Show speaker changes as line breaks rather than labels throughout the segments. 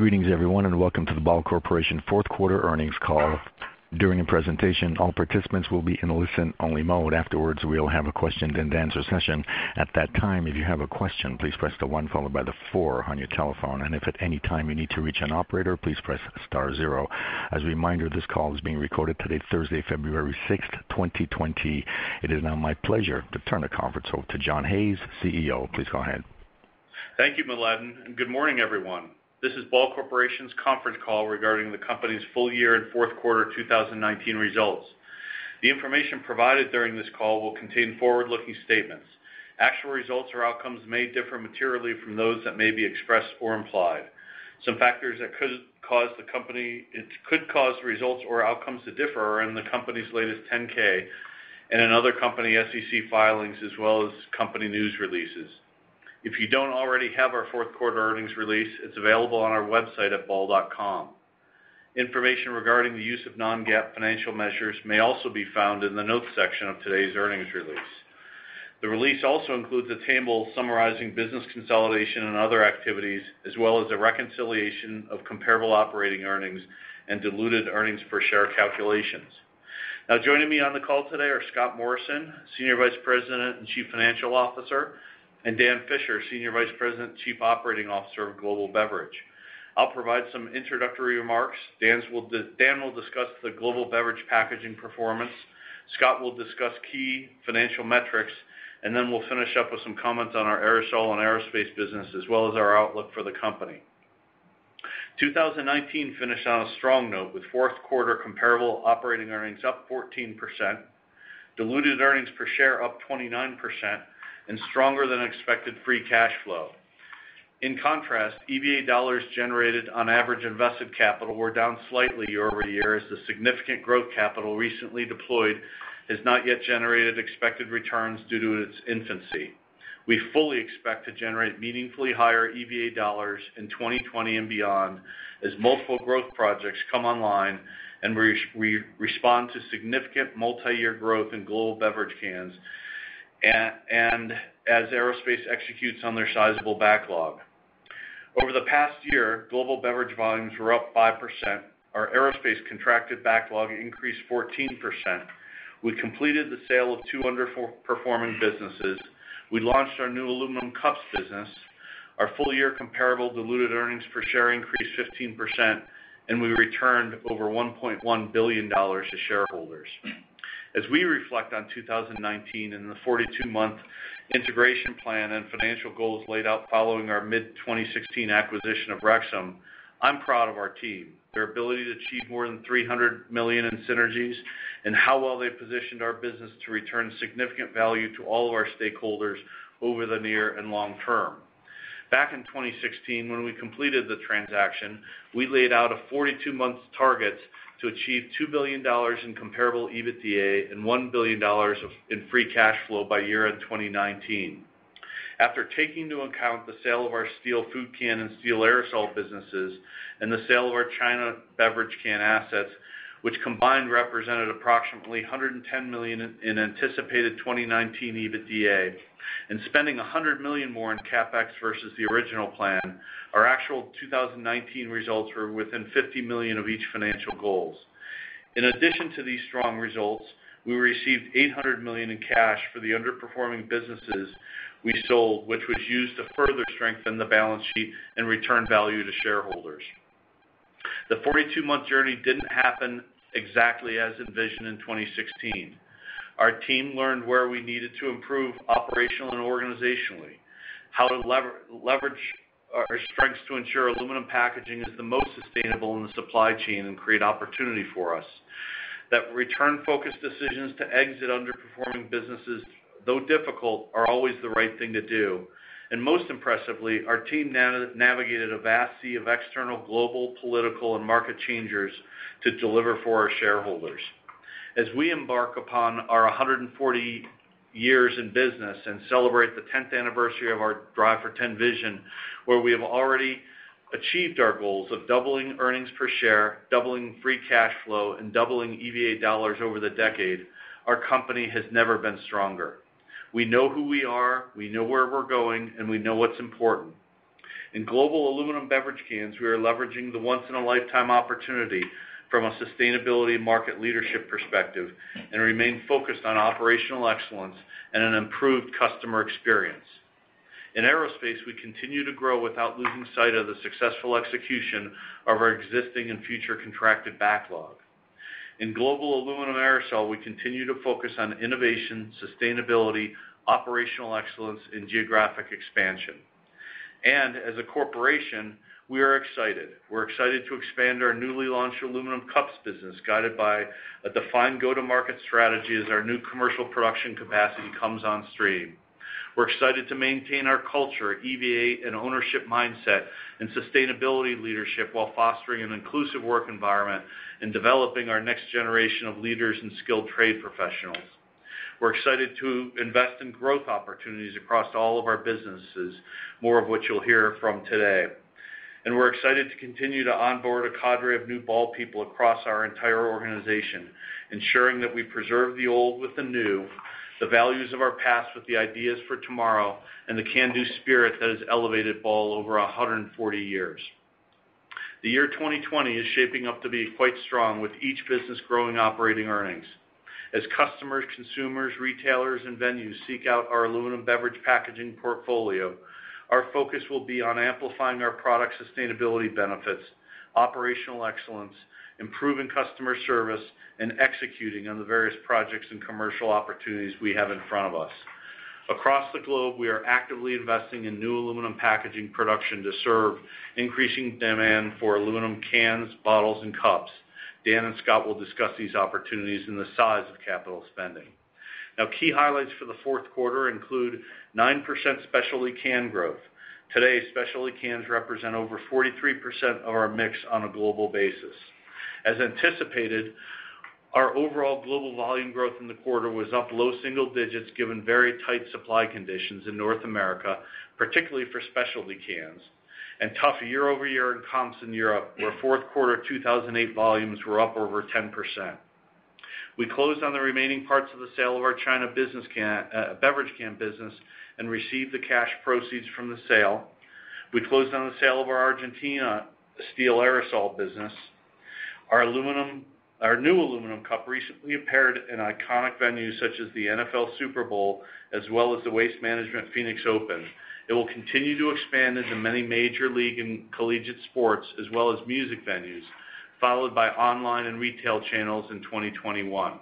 Greetings everyone, and welcome to the Ball Corporation fourth quarter earnings call. During the presentation, all participants will be in listen-only mode. Afterwards, we'll have a question-and-answer session. At that time, if you have a question, please press the one followed by the four on your telephone. If at any time you need to reach an operator, please press star zero. As a reminder, this call is being recorded today, Thursday, February 6th, 2020. It is now my pleasure to turn the conference over to John Hayes, CEO. Please go ahead.
Thank you, Miladen, and good morning, everyone. This is Ball Corporation's conference call regarding the company's full year and fourth quarter 2019 results. The information provided during this call will contain forward-looking statements. Actual results or outcomes may differ materially from those that may be expressed or implied. Some factors that could cause results or outcomes to differ are in the company's latest 10-K and in other company SEC filings as well as company news releases. If you don't already have our fourth quarter earnings release, it's available on our website at ball.com. Information regarding the use of non-GAAP financial measures may also be found in the notes section of today's earnings release. The release also includes a table summarizing business consolidation and other activities, as well as a reconciliation of comparable operating earnings and diluted earnings per share calculations. Now joining me on the call today are Scott Morrison, Senior Vice President and Chief Financial Officer, and Dan Fisher, Senior Vice President and Chief Operating Officer of Global Beverage. I'll provide some introductory remarks. Dan will discuss the Global Beverage packaging performance. Scott will discuss key financial metrics, and then we'll finish up with some comments on our aerosol and aerospace business, as well as our outlook for the company. 2019 finished on a strong note with fourth quarter comparable operating earnings up 14%, diluted earnings per share up 29%, and stronger than expected free cash flow. In contrast, EVA dollars generated on average invested capital were down slightly year-over-year as the significant growth capital recently deployed has not yet generated expected returns due to its infancy. We fully expect to generate meaningfully higher EVA dollars in 2020 and beyond as multiple growth projects come online and we respond to significant multi-year growth in global beverage cans and as aerospace executes on their sizable backlog. Over the past year, global beverage volumes were up 5%. Our aerospace contracted backlog increased 14%. We completed the sale of two underperforming businesses. We launched our new aluminum cups business. Our full-year comparable diluted earnings per share increased 15%. We returned over $1.1 billion to shareholders. As we reflect on 2019 and the 42-month integration plan and financial goals laid out following our mid-2016 acquisition of Rexam, I'm proud of our team, their ability to achieve more than $300 million in synergies, and how well they positioned our business to return significant value to all of our stakeholders over the near and long term. Back in 2016, when we completed the transaction, we laid out a 42-month target to achieve $2 billion in comparable EBITDA and $1 billion in free cash flow by year-end 2019. After taking into account the sale of our steel food can and steel aerosol businesses and the sale of our China beverage can assets, which combined represented approximately $110 million in anticipated 2019 EBITDA and spending $100 million more in CapEx versus the original plan, our actual 2019 results were within $50 million of each financial goal. In addition to these strong results, we received $800 million in cash for the underperforming businesses we sold, which was used to further strengthen the balance sheet and return value to shareholders. The 42-month journey didn't happen exactly as envisioned in 2016. Our team learned where we needed to improve operational and organizationally, how to leverage our strengths to ensure aluminum packaging is the most sustainable in the supply chain and create opportunity for us. That return-focused decisions to exit underperforming businesses, though difficult, are always the right thing to do. Most impressively, our team navigated a vast sea of external global, political, and market changers to deliver for our shareholders. As we embark upon our 140 years in business and celebrate the 10th anniversary of our Drive for 10 vision, where we have already achieved our goals of doubling earnings per share, doubling free cash flow, and doubling EVA dollars over the decade, our company has never been stronger. We know who we are, we know where we're going, and we know what's important. In global aluminum beverage cans, we are leveraging the once in a lifetime opportunity from a sustainability market leadership perspective and remain focused on operational excellence and an improved customer experience. In aerospace, we continue to grow without losing sight of the successful execution of our existing and future contracted backlog. In global aluminum aerosol, we continue to focus on innovation, sustainability, operational excellence, and geographic expansion. As a corporation, we are excited. We're excited to expand our newly launched Aluminum Cups business, guided by a defined go-to-market strategy as our new commercial production capacity comes on stream. We're excited to maintain our culture, EVA, and ownership mindset and sustainability leadership while fostering an inclusive work environment and developing our next generation of leaders and skilled trade professionals. We're excited to invest in growth opportunities across all of our businesses, more of which you'll hear from today. We're excited to continue to onboard a cadre of new Ball people across our entire organization, ensuring that we preserve the old with the new. The values of our past with the ideas for tomorrow and the can-do spirit that has elevated Ball over 140 years. The year 2020 is shaping up to be quite strong with each business growing operating earnings. As customers, consumers, retailers, and venues seek out our aluminum beverage packaging portfolio, our focus will be on amplifying our product sustainability benefits, operational excellence, improving customer service, and executing on the various projects and commercial opportunities we have in front of us. Across the globe, we are actively investing in new aluminum packaging production to serve increasing demand for aluminum cans, bottles, and cups. Dan and Scott will discuss these opportunities and the size of capital spending. Now, key highlights for the fourth quarter include 9% specialty can growth. Today, specialty cans represent over 43% of our mix on a global basis. As anticipated, our overall global volume growth in the quarter was up low single-digits given very tight supply conditions in North America, particularly for specialty cans, and tough year-over-year comps in Europe, where fourth quarter 2008 volumes were up over 10%. We closed on the remaining parts of the sale of our China beverage can business and received the cash proceeds from the sale. We closed on the sale of our Argentina steel aerosol business. Our new aluminum cup recently appeared in iconic venues such as the NFL Super Bowl as well as the Waste Management Phoenix Open. It will continue to expand into many major league and collegiate sports, as well as music venues, followed by online and retail channels in 2021.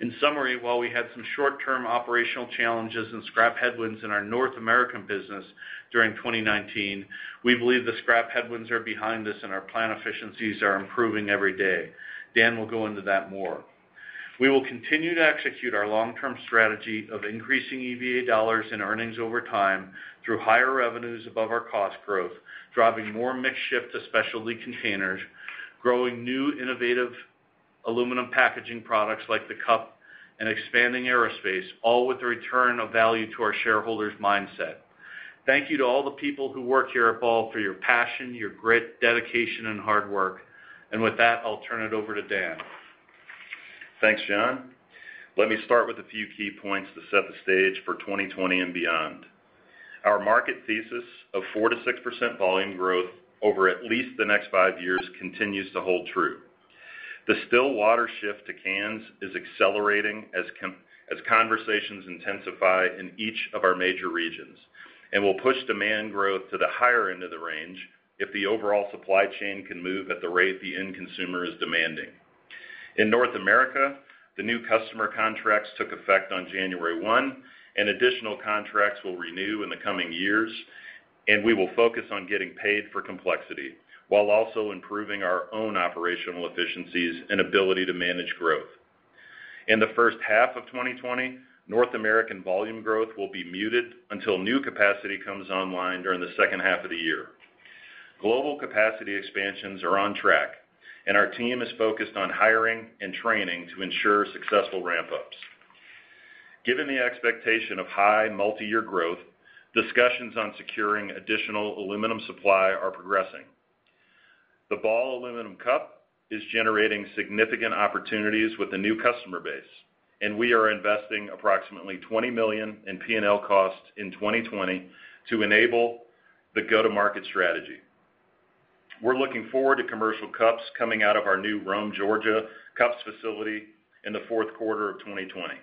In summary, while we had some short-term operational challenges and scrap headwinds in our North American business during 2019, we believe the scrap headwinds are behind us and our plant efficiencies are improving every day. Dan will go into that more. We will continue to execute our long-term strategy of increasing EVA dollars and earnings over time through higher revenues above our cost growth, driving more mix shift to specialty containers, growing new innovative aluminum packaging products like the cup, and expanding aerospace, all with the return of value to our shareholders mindset. Thank you to all the people who work here at Ball for your passion, your grit, dedication, and hard work. With that, I'll turn it over to Dan.
Thanks, John. Let me start with a few key points to set the stage for 2020 and beyond. Our market thesis of 4%-6% volume growth over at least the next five years continues to hold true. The still water shift to cans is accelerating as conversations intensify in each of our major regions and will push demand growth to the higher end of the range if the overall supply chain can move at the rate the end consumer is demanding. In North America, the new customer contracts took effect on January 1. Additional contracts will renew in the coming years. We will focus on getting paid for complexity, while also improving our own operational efficiencies and ability to manage growth. In the first half of 2020, North American volume growth will be muted until new capacity comes online during the second half of the year. Global capacity expansions are on track, and our team is focused on hiring and training to ensure successful ramp-ups. Given the expectation of high multi-year growth, discussions on securing additional aluminum supply are progressing. The Ball Aluminum Cup is generating significant opportunities with a new customer base, and we are investing approximately $20 million in P&L costs in 2020 to enable the go-to-market strategy. We're looking forward to commercial cups coming out of our new Rome, Georgia cups facility in the fourth quarter of 2020.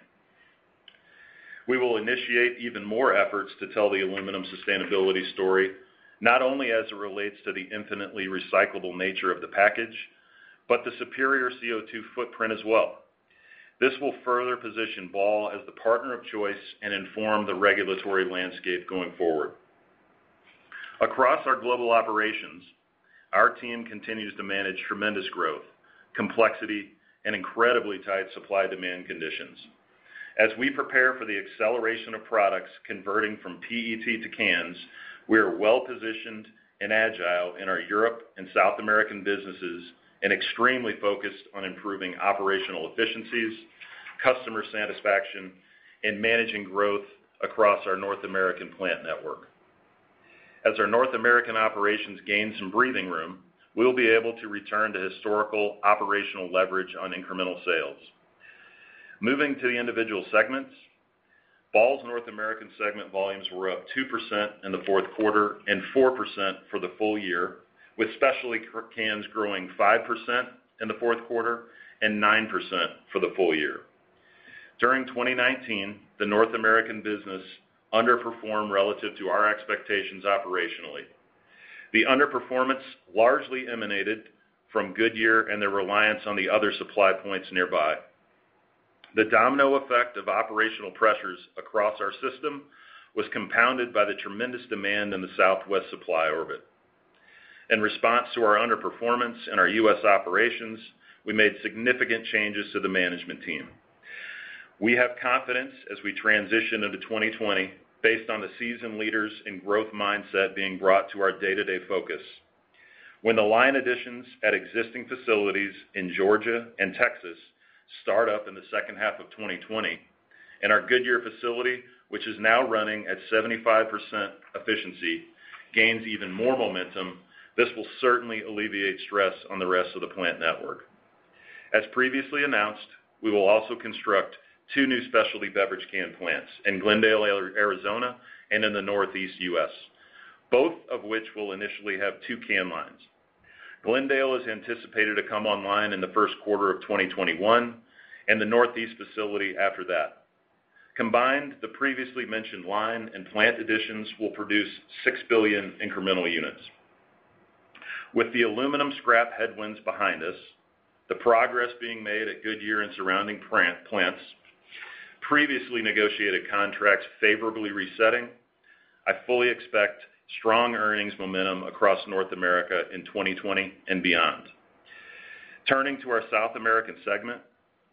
We will initiate even more efforts to tell the aluminum sustainability story, not only as it relates to the infinitely recyclable nature of the package, but the superior CO2 footprint as well. This will further position Ball as the partner of choice and inform the regulatory landscape going forward. Across our global operations, our team continues to manage tremendous growth, complexity, and incredibly tight supply-demand conditions. As we prepare for the acceleration of products converting from PET to cans, we are well-positioned and agile in our Europe and South American businesses and extremely focused on improving operational efficiencies, customer satisfaction, and managing growth across our North American plant network. As our North American operations gain some breathing room, we'll be able to return to historical operational leverage on incremental sales. Moving to the individual segments, Ball's North American segment volumes were up 2% in the fourth quarter and 4% for the full year, with specialty cans growing 5% in the fourth quarter and 9% for the full year. During 2019, the North American business underperformed relative to our expectations operationally. The underperformance largely emanated from Goodyear and their reliance on the other supply points nearby. The domino effect of operational pressures across our system was compounded by the tremendous demand in the Southwest supply orbit. In response to our underperformance in our U.S. operations, we made significant changes to the management team. We have confidence as we transition into 2020 based on the seasoned leaders and growth mindset being brought to our day-to-day focus. When the line additions at existing facilities in Georgia and Texas start up in the second half of 2020, and our Goodyear facility, which is now running at 75% efficiency, gains even more momentum, this will certainly alleviate stress on the rest of the plant network. As previously announced, we will also construct two new specialty beverage can plants in Glendale, Arizona and in the Northeast U.S., both of which will initially have two can lines. Glendale is anticipated to come online in the first quarter of 2021, and the Northeast facility after that. Combined, the previously mentioned line and plant additions will produce 6 billion incremental units. With the aluminum scrap headwinds behind us, the progress being made at Goodyear and surrounding plants, previously negotiated contracts favorably resetting, I fully expect strong earnings momentum across North America in 2020 and beyond. Turning to our South American segment,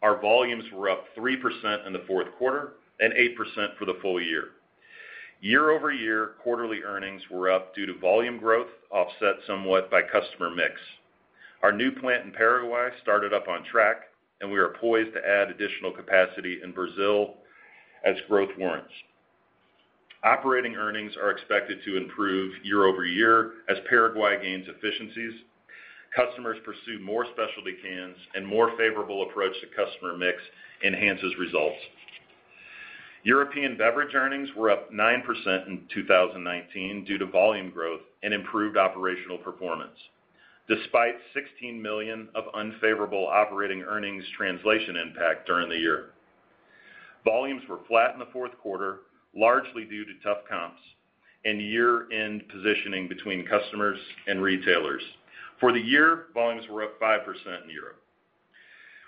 our volumes were up 3% in the fourth quarter and 8% for the full year. Year-over-year quarterly earnings were up due to volume growth, offset somewhat by customer mix. Our new plant in Paraguay started up on track, and we are poised to add additional capacity in Brazil as growth warrants. Operating earnings are expected to improve year-over-year as Paraguay gains efficiencies, customers pursue more specialty cans, and more favorable approach to customer mix enhances results. European beverage earnings were up 9% in 2019 due to volume growth and improved operational performance, despite $16 million of unfavorable operating earnings translation impact during the year. Volumes were flat in the fourth quarter, largely due to tough comps and year-end positioning between customers and retailers. For the year, volumes were up 5% in Europe.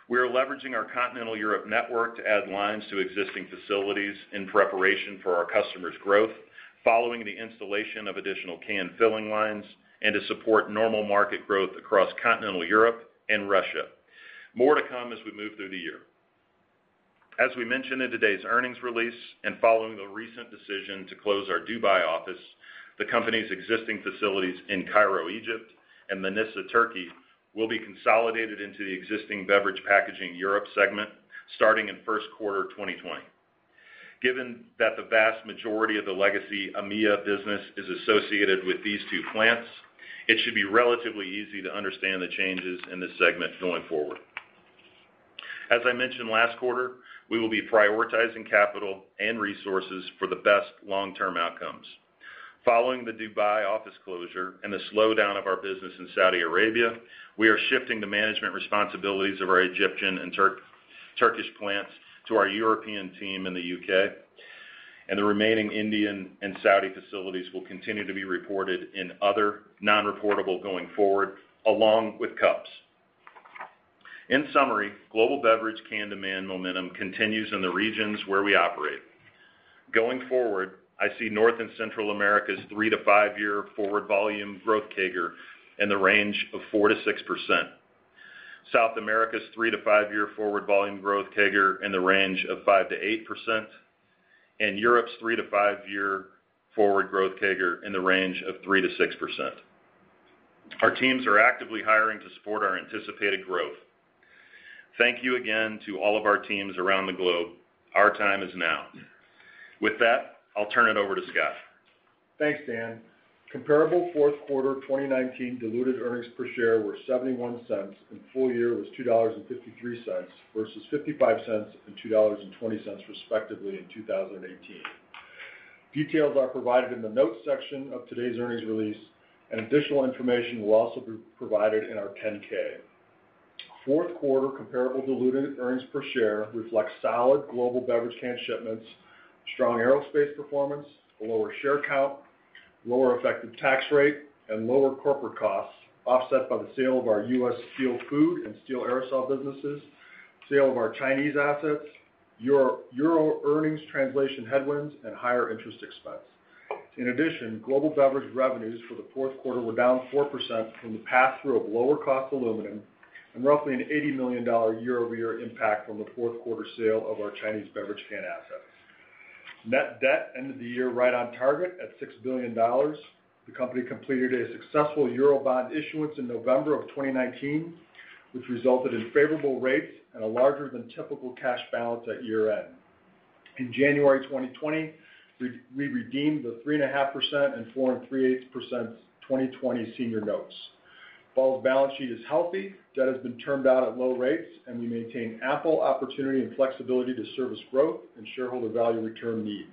We are leveraging our continental Europe network to add lines to existing facilities in preparation for our customers' growth, following the installation of additional can filling lines and to support normal market growth across continental Europe and Russia. More to come as we move through the year. As we mentioned in today's earnings release and following the recent decision to close our Dubai office, the company's existing facilities in Cairo, Egypt, and Manisa, Turkey, will be consolidated into the existing beverage packaging Europe segment starting in first quarter 2020. Given that the vast majority of the legacy AMEA business is associated with these two plants, it should be relatively easy to understand the changes in this segment going forward. As I mentioned last quarter, we will be prioritizing capital and resources for the best long-term outcomes. Following the Dubai office closure and the slowdown of our business in Saudi Arabia, we are shifting the management responsibilities of our Egyptian and Turkish plants to our European team in the U.K., and the remaining Indian and Saudi facilities will continue to be reported in other non-reportable going forward, along with cups. In summary, global beverage can demand momentum continues in the regions where we operate. Going forward, I see North and Central America's three to five-year forward volume growth CAGR in the range of 4%-6%, South America's three to five-year forward volume growth CAGR in the range of 5%-8%, and Europe's three to five-year forward growth CAGR in the range of 3%-6%. Our teams are actively hiring to support our anticipated growth. Thank you again to all of our teams around the globe. Our time is now. With that, I'll turn it over to Scott.
Thanks, Dan. Comparable fourth quarter 2019 diluted earnings per share were $0.71, and full year was $2.53 versus $0.55 and $2.20 respectively in 2018. Details are provided in the notes section of today's earnings release, and additional information will also be provided in our 10-K. Fourth quarter comparable diluted earnings per share reflect solid global beverage can shipments, strong Aerospace performance, a lower share count, lower effective tax rate, and lower corporate costs offset by the sale of our U.S. steel food and steel aerosol businesses, sale of our Chinese assets, euro earnings translation headwinds, and higher interest expense. In addition, global beverage revenues for the fourth quarter were down 4% from the pass-through of lower cost aluminum and roughly an $80 million year-over-year impact from the fourth quarter sale of our Chinese beverage can assets. Net debt ended the year right on target at $6 billion. The company completed a successful Eurobond issuance in November of 2019, which resulted in favorable rates and a larger than typical cash balance at year-end. In January 2020, we redeemed the 3.5% and 4.375% 2020 senior notes. Ball's balance sheet is healthy. Debt has been termed out at low rates, and we maintain ample opportunity and flexibility to service growth and shareholder value return needs.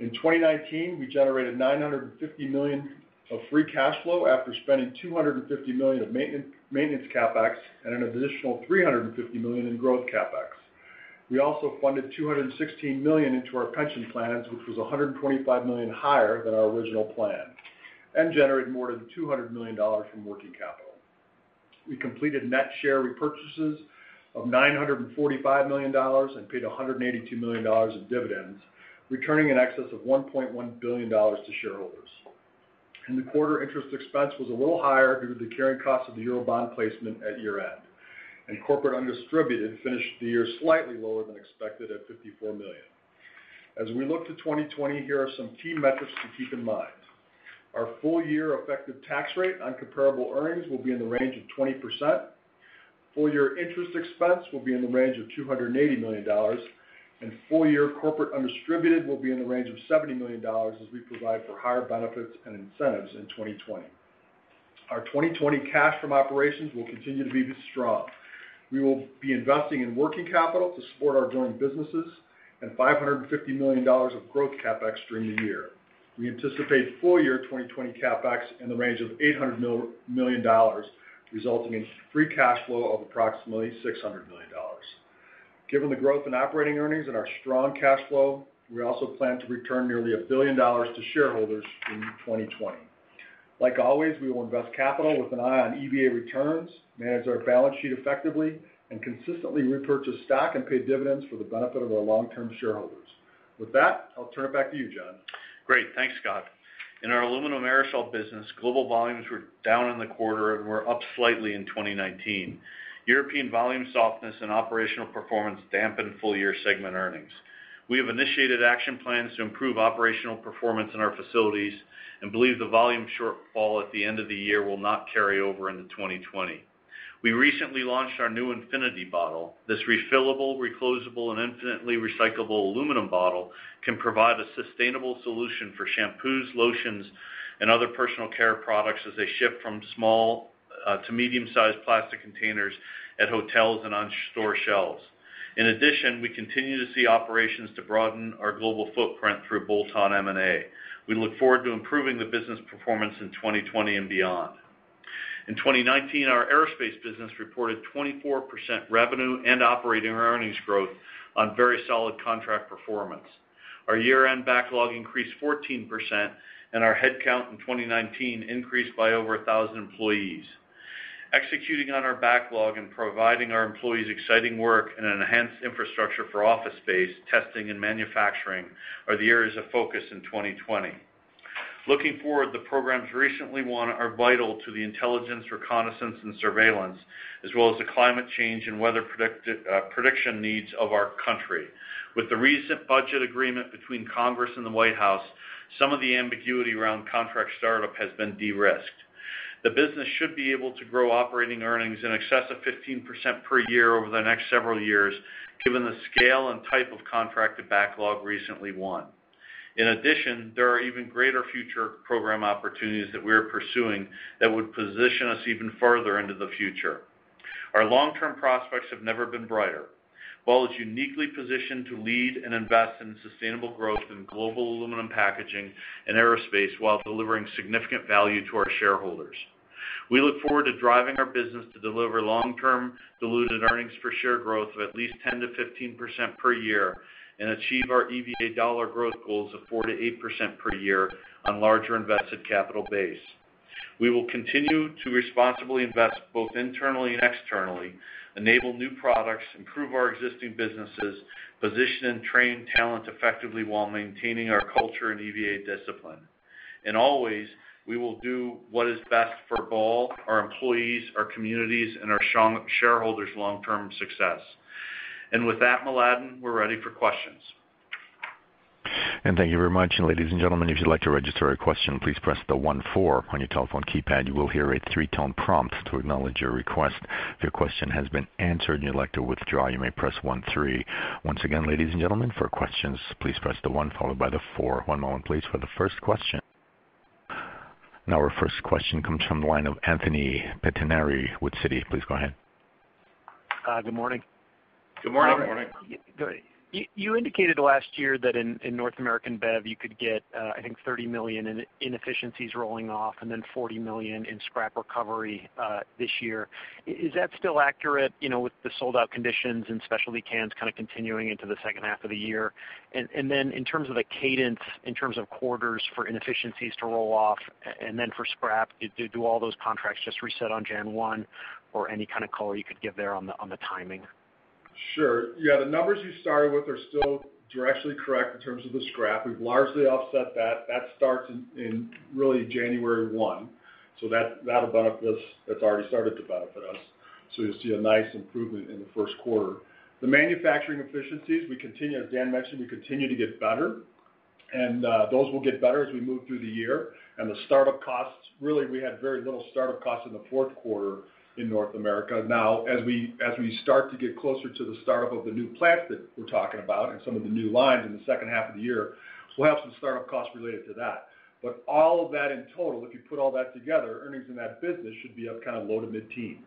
In 2019, we generated $950 million of free cash flow after spending $250 million of maintenance CapEx and an additional $350 million in growth CapEx. We also funded $216 million into our pension plans, which was $125 million higher than our original plan, and generated more than $200 million from working capital. We completed net share repurchases of $945 million and paid $182 million in dividends, returning in excess of $1.1 billion to shareholders. In the quarter, interest expense was a little higher due to the carrying cost of the Eurobond placement at year-end, and corporate undistributed finished the year slightly lower than expected at $54 million. As we look to 2020, here are some key metrics to keep in mind. Our full-year effective tax rate on comparable earnings will be in the range of 20%. Full-year interest expense will be in the range of $280 million, and full-year corporate undistributed will be in the range of $70 million as we provide for higher benefits and incentives in 2020. Our 2020 cash from operations will continue to be strong. We will be investing in working capital to support our joint businesses and $550 million of growth CapEx during the year. We anticipate full-year 2020 CapEx in the range of $800 million, resulting in free cash flow of approximately $600 million. Given the growth in operating earnings and our strong cash flow, we also plan to return nearly $1 billion to shareholders in 2020. Like always, we will invest capital with an eye on EVA returns, manage our balance sheet effectively, and consistently repurchase stock and pay dividends for the benefit of our long-term shareholders. With that, I'll turn it back to you, John.
Great. Thanks, Scott. In our aluminum aerosol business, global volumes were down in the quarter and were up slightly in 2019. European volume softness and operational performance dampened full-year segment earnings. We have initiated action plans to improve operational performance in our facilities and believe the volume shortfall at the end of the year will not carry over into 2020. We recently launched our new Infinity bottle. This refillable, reclosable, and infinitely recyclable aluminum bottle can provide a sustainable solution for shampoos, lotions, and other personal care products as they ship from small to medium-sized plastic containers at hotels and on store shelves. We continue to see operations to broaden our global footprint through bolt-on M&A. We look forward to improving the business performance in 2020 and beyond. In 2019, our Aerospace business reported 24% revenue and operating earnings growth on very solid contract performance. Our year-end backlog increased 14%, and our headcount in 2019 increased by over 1,000 employees. Executing on our backlog and providing our employees exciting work and an enhanced infrastructure for office space, testing, and manufacturing are the areas of focus in 2020. Looking forward, the programs recently won are vital to the intelligence, reconnaissance, and surveillance, as well as the climate change and weather prediction needs of our country. With the recent budget agreement between Congress and the White House, some of the ambiguity around contract startup has been de-risked. The business should be able to grow operating earnings in excess of 15% per year over the next several years, given the scale and type of contracted backlog recently won. In addition, there are even greater future program opportunities that we're pursuing that would position us even further into the future. Our long-term prospects have never been brighter. Ball is uniquely positioned to lead and invest in sustainable growth in global aluminum packaging and aerospace while delivering significant value to our shareholders. We look forward to driving our business to deliver long-term diluted earnings for share growth of at least 10%-15% per year, and achieve our EVA dollar growth goals of 4%-8% per year on larger invested capital base. We will continue to responsibly invest both internally and externally, enable new products, improve our existing businesses, position and train talent effectively while maintaining our culture and EVA discipline. Always, we will do what is best for Ball, our employees, our communities, and our shareholders' long-term success. With that, Miladen, we're ready for questions.
Thank you very much. Ladies and gentlemen, if you'd like to register a question, please press the one four on your telephone keypad. You will hear a three-tone prompt to acknowledge your request. If your question has been answered and you'd like to withdraw, you may press one three. Once again, ladies and gentlemen, for questions, please press the one followed by the four. One moment please for the first question. Now our first question comes from the line of Anthony Pettinari with Citi. Please go ahead.
Good morning.
Good morning.
Good morning.
You indicated last year that in North American bev, you could get, I think, $30 million in inefficiencies rolling off and then $40 million in scrap recovery this year. Is that still accurate, with the sold-out conditions and specialty cans kind of continuing into the second half of the year? In terms of the cadence, in terms of quarters for inefficiencies to roll off and then for scrap, do all those contracts just reset on January 1, or any kind of color you could give there on the timing?
Sure. Yeah, the numbers you started with are still directionally correct in terms of the scrap. We've largely offset that. That starts in really January 1. That's already started to benefit us. You'll see a nice improvement in the first quarter. The manufacturing efficiencies, as Dan mentioned, we continue to get better, and those will get better as we move through the year. The startup costs, really, we had very little startup costs in the fourth quarter in North America. As we start to get closer to the startup of the new plant that we're talking about and some of the new lines in the second half of the year, we'll have some startup costs related to that. All of that in total, if you put all that together, earnings in that business should be up kind of low to mid-teens.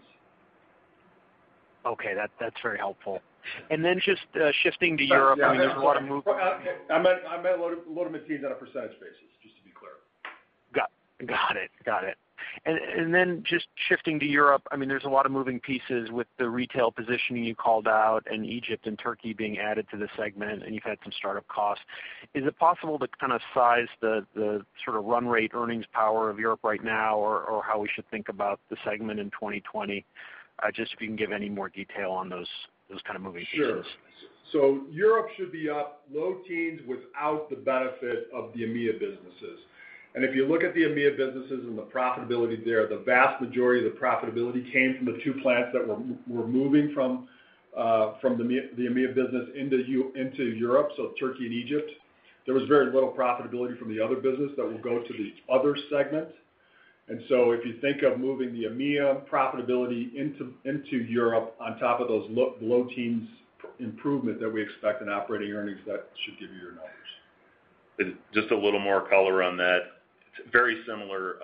Okay. That's very helpful. Then just shifting to Europe, I mean,
I meant low to mid-teens on a percent basis, just to be clear.
Got it. Just shifting to Europe, there's a lot of moving pieces with the retail positioning you called out and Egypt and Turkey being added to the segment, and you've had some startup costs. Is it possible to kind of size the sort of run rate earnings power of Europe right now, or how we should think about the segment in 2020? Just if you can give any more detail on those kind of moving pieces.
Sure. Europe should be up low teens without the benefit of the EMEA businesses. If you look at the EMEA businesses and the profitability there, the vast majority of the profitability came from the two plants that we're moving from the EMEA business into Europe, so Turkey and Egypt. There was very little profitability from the other business that will go to the other segment. If you think of moving the EMEA profitability into Europe on top of those low teens improvement that we expect in operating earnings, that should give you your numbers.
Just a little more color on that. Very similar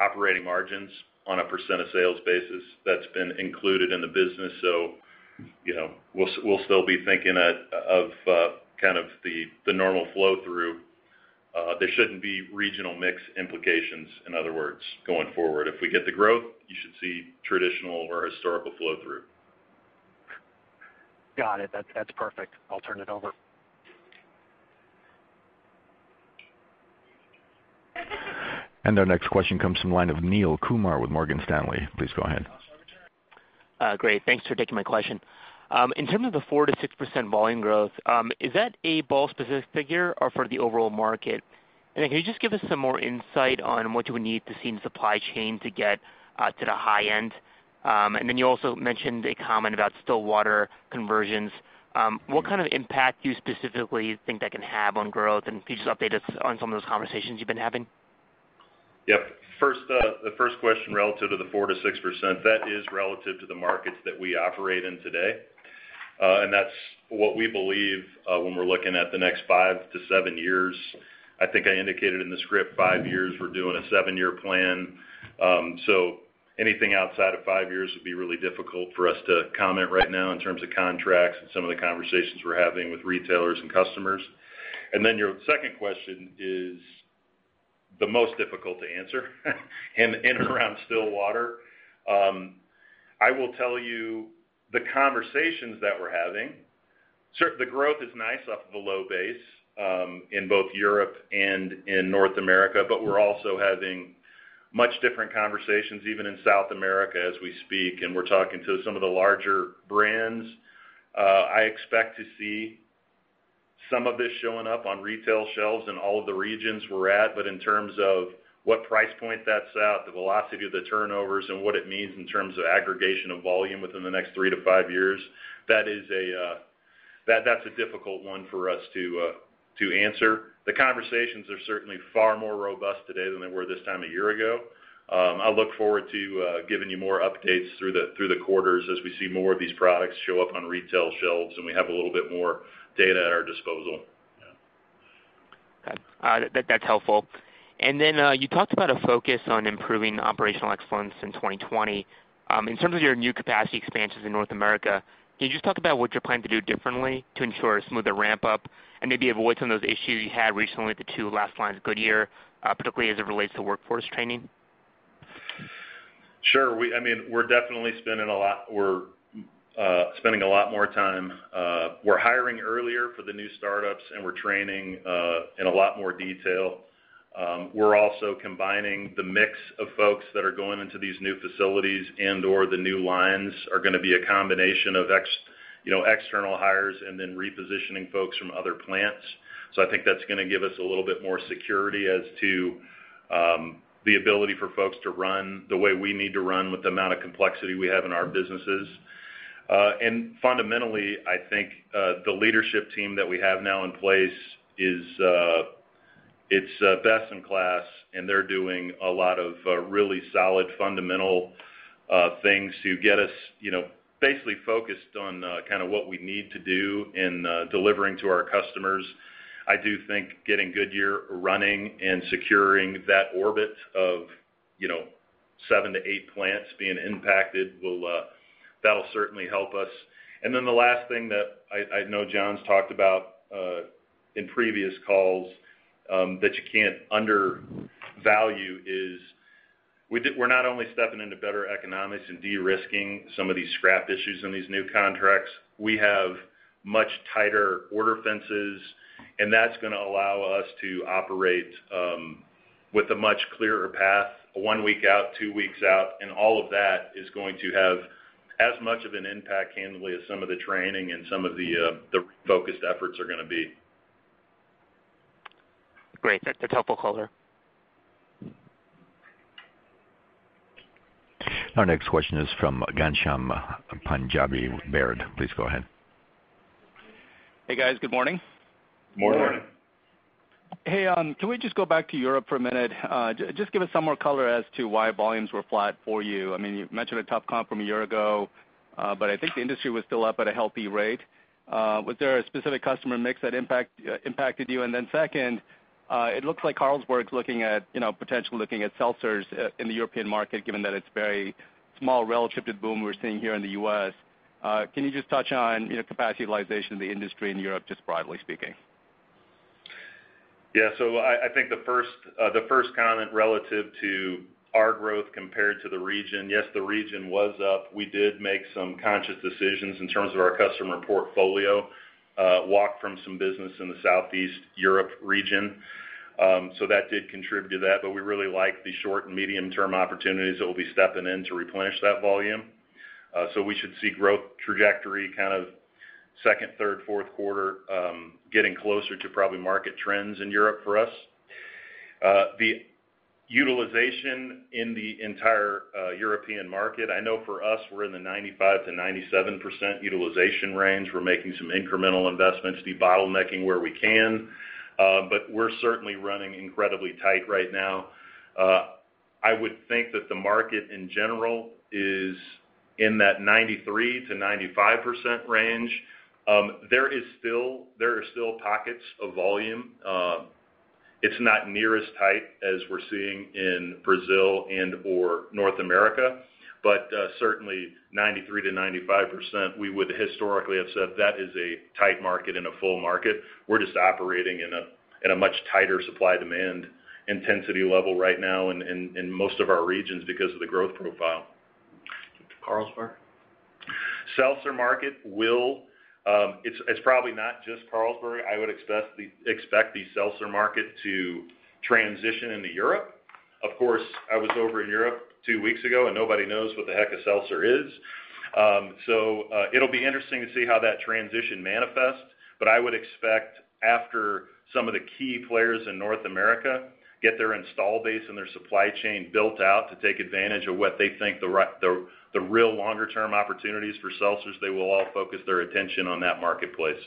operating margins on a percent of sales basis that's been included in the business. We'll still be thinking of the normal flow-through. There shouldn't be regional mix implications, in other words, going forward. If we get the growth, you should see traditional or historical flow-through.
Got it. That's perfect. I'll turn it over.
Our next question comes from the line of Neel Kumar with Morgan Stanley. Please go ahead.
Great. Thanks for taking my question. In terms of the 4%-6% volume growth, is that a Ball specific figure or for the overall market? Can you just give us some more insight on what you would need to see in the supply chain to get to the high end? You also mentioned a comment about still water conversions. What kind of impact do you specifically think that can have on growth? Can you just update us on some of those conversations you've been having?
Yep. The first question relative to the 4%-6%, that is relative to the markets that we operate in today. That's what we believe, when we're looking at the next five to seven years. I think I indicated in the script, five years, we're doing a seven-year plan. Anything outside of five years would be really difficult for us to comment right now in terms of contracts and some of the conversations we're having with retailers and customers. Your second question is the most difficult to answer in and around still water. I will tell you the conversations that we're having. The growth is nice off of a low base, in both Europe and in North America, but we're also having much different conversations even in South America as we speak, and we're talking to some of the larger brands. I expect to see some of this showing up on retail shelves in all of the regions we're at. In terms of what price point that's at, the velocity of the turnovers and what it means in terms of aggregation of volume within the next three to five years, that's a difficult one for us to answer. The conversations are certainly far more robust today than they were this time a year ago. I look forward to giving you more updates through the quarters as we see more of these products show up on retail shelves and we have a little bit more data at our disposal. Yeah.
Got it. That's helpful. You talked about a focus on improving operational excellence in 2020. In terms of your new capacity expansions in North America, can you just talk about what you're planning to do differently to ensure a smoother ramp-up and maybe avoid some of those issues you had recently with the two last lines at Goodyear, particularly as it relates to workforce training?
Sure. We're definitely spending a lot more time. We're hiring earlier for the new startups, and we're training in a lot more detail. We're also combining the mix of folks that are going into these new facilities and or the new lines are going to be a combination of external hires and then repositioning folks from other plants. I think that's going to give us a little bit more security as to the ability for folks to run the way we need to run with the amount of complexity we have in our businesses. Fundamentally, I think, the leadership team that we have now in place, it's best in class, and they're doing a lot of really solid, fundamental things to get us basically focused on what we need to do in delivering to our customers. I do think getting Goodyear running and securing that orbit of seven to eight plants being impacted, that'll certainly help us. The last thing that I know John's talked about, in previous calls, that you can't undervalue is, we're not only stepping into better economics and de-risking some of these scrap issues in these new contracts. We have much tighter order fences, and that's going to allow us to operate with a much clearer path, one week out, two weeks out, and all of that is going to have as much of an impact candidly as some of the training and some of the focused efforts are going to be.
Great. That's helpful color.
Our next question is from Ghansham Panjabi with Baird. Please go ahead.
Hey, guys. Good morning.
Good morning.
Hey, can we just go back to Europe for a minute? Just give us some more color as to why volumes were flat for you. You mentioned a tough comp from a year ago, but I think the industry was still up at a healthy rate. Was there a specific customer mix that impacted you? Then second, it looks like Carlsberg's potentially looking at seltzers in the European market, given that it's very small relative to the boom we're seeing here in the U.S. Can you just touch on capacity utilization in the industry in Europe, just broadly speaking?
I think the first comment relative to our growth compared to the region, yes, the region was up. We did make some conscious decisions in terms of our customer portfolio. Walked from some business in the Southeast Europe region. That did contribute to that, but we really like the short and medium-term opportunities that we'll be stepping in to replenish that volume. We should see growth trajectory kind of second, third, fourth quarter, getting closer to probably market trends in Europe for us. The utilization in the entire European market, I know for us, we're in the 95%-97% utilization range. We're making some incremental investments, debottlenecking where we can. We're certainly running incredibly tight right now. I would think that the market in general is in that 93%-95% range. There are still pockets of volume. It's not near as tight as we're seeing in Brazil and/or North America, certainly 93%-95%, we would historically have said that is a tight market and a full market. We're just operating in a much tighter supply-demand intensity level right now in most of our regions because of the growth profile.
Carlsberg?
Seltzer market. It's probably not just Carlsberg. I would expect the seltzer market to transition into Europe. Of course, I was over in Europe two weeks ago, and nobody knows what the heck a seltzer is. So it'll be interesting to see how that transition manifests, but I would expect after some of the key players in North America get their install base and their supply chain built out to take advantage of what they think the real longer-term opportunity is for seltzers, they will all focus their attention on that marketplace.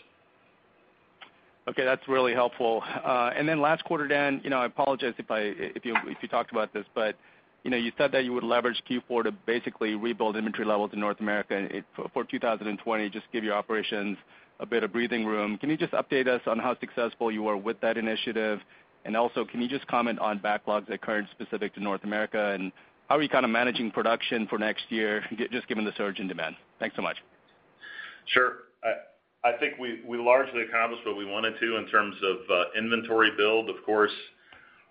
Okay. That's really helpful. Last quarter, Dan, I apologize if you talked about this, but you said that you would leverage Q4 to basically rebuild inventory levels in North America for 2020, just give your operations a bit of breathing room. Can you just update us on how successful you were with that initiative? Also, can you just comment on backlogs that occurred specific to North America, and how are you kind of managing production for next year, just given the surge in demand? Thanks so much.
Sure. I think we largely accomplished what we wanted to in terms of inventory build. Of course,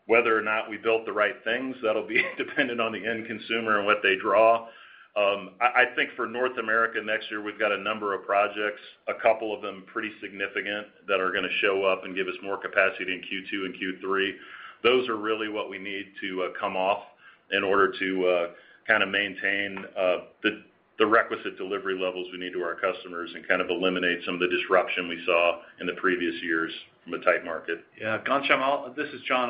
whether or not we built the right things, that'll be dependent on the end consumer and what they draw. I think for North America next year, we've got a number of projects, a couple of them pretty significant, that are going to show up and give us more capacity in Q2 and Q3. Those are really what we need to come off in order to kind of maintain the requisite delivery levels we need to our customers and kind of eliminate some of the disruption we saw in the previous years from a tight market.
Ghansham, this is John.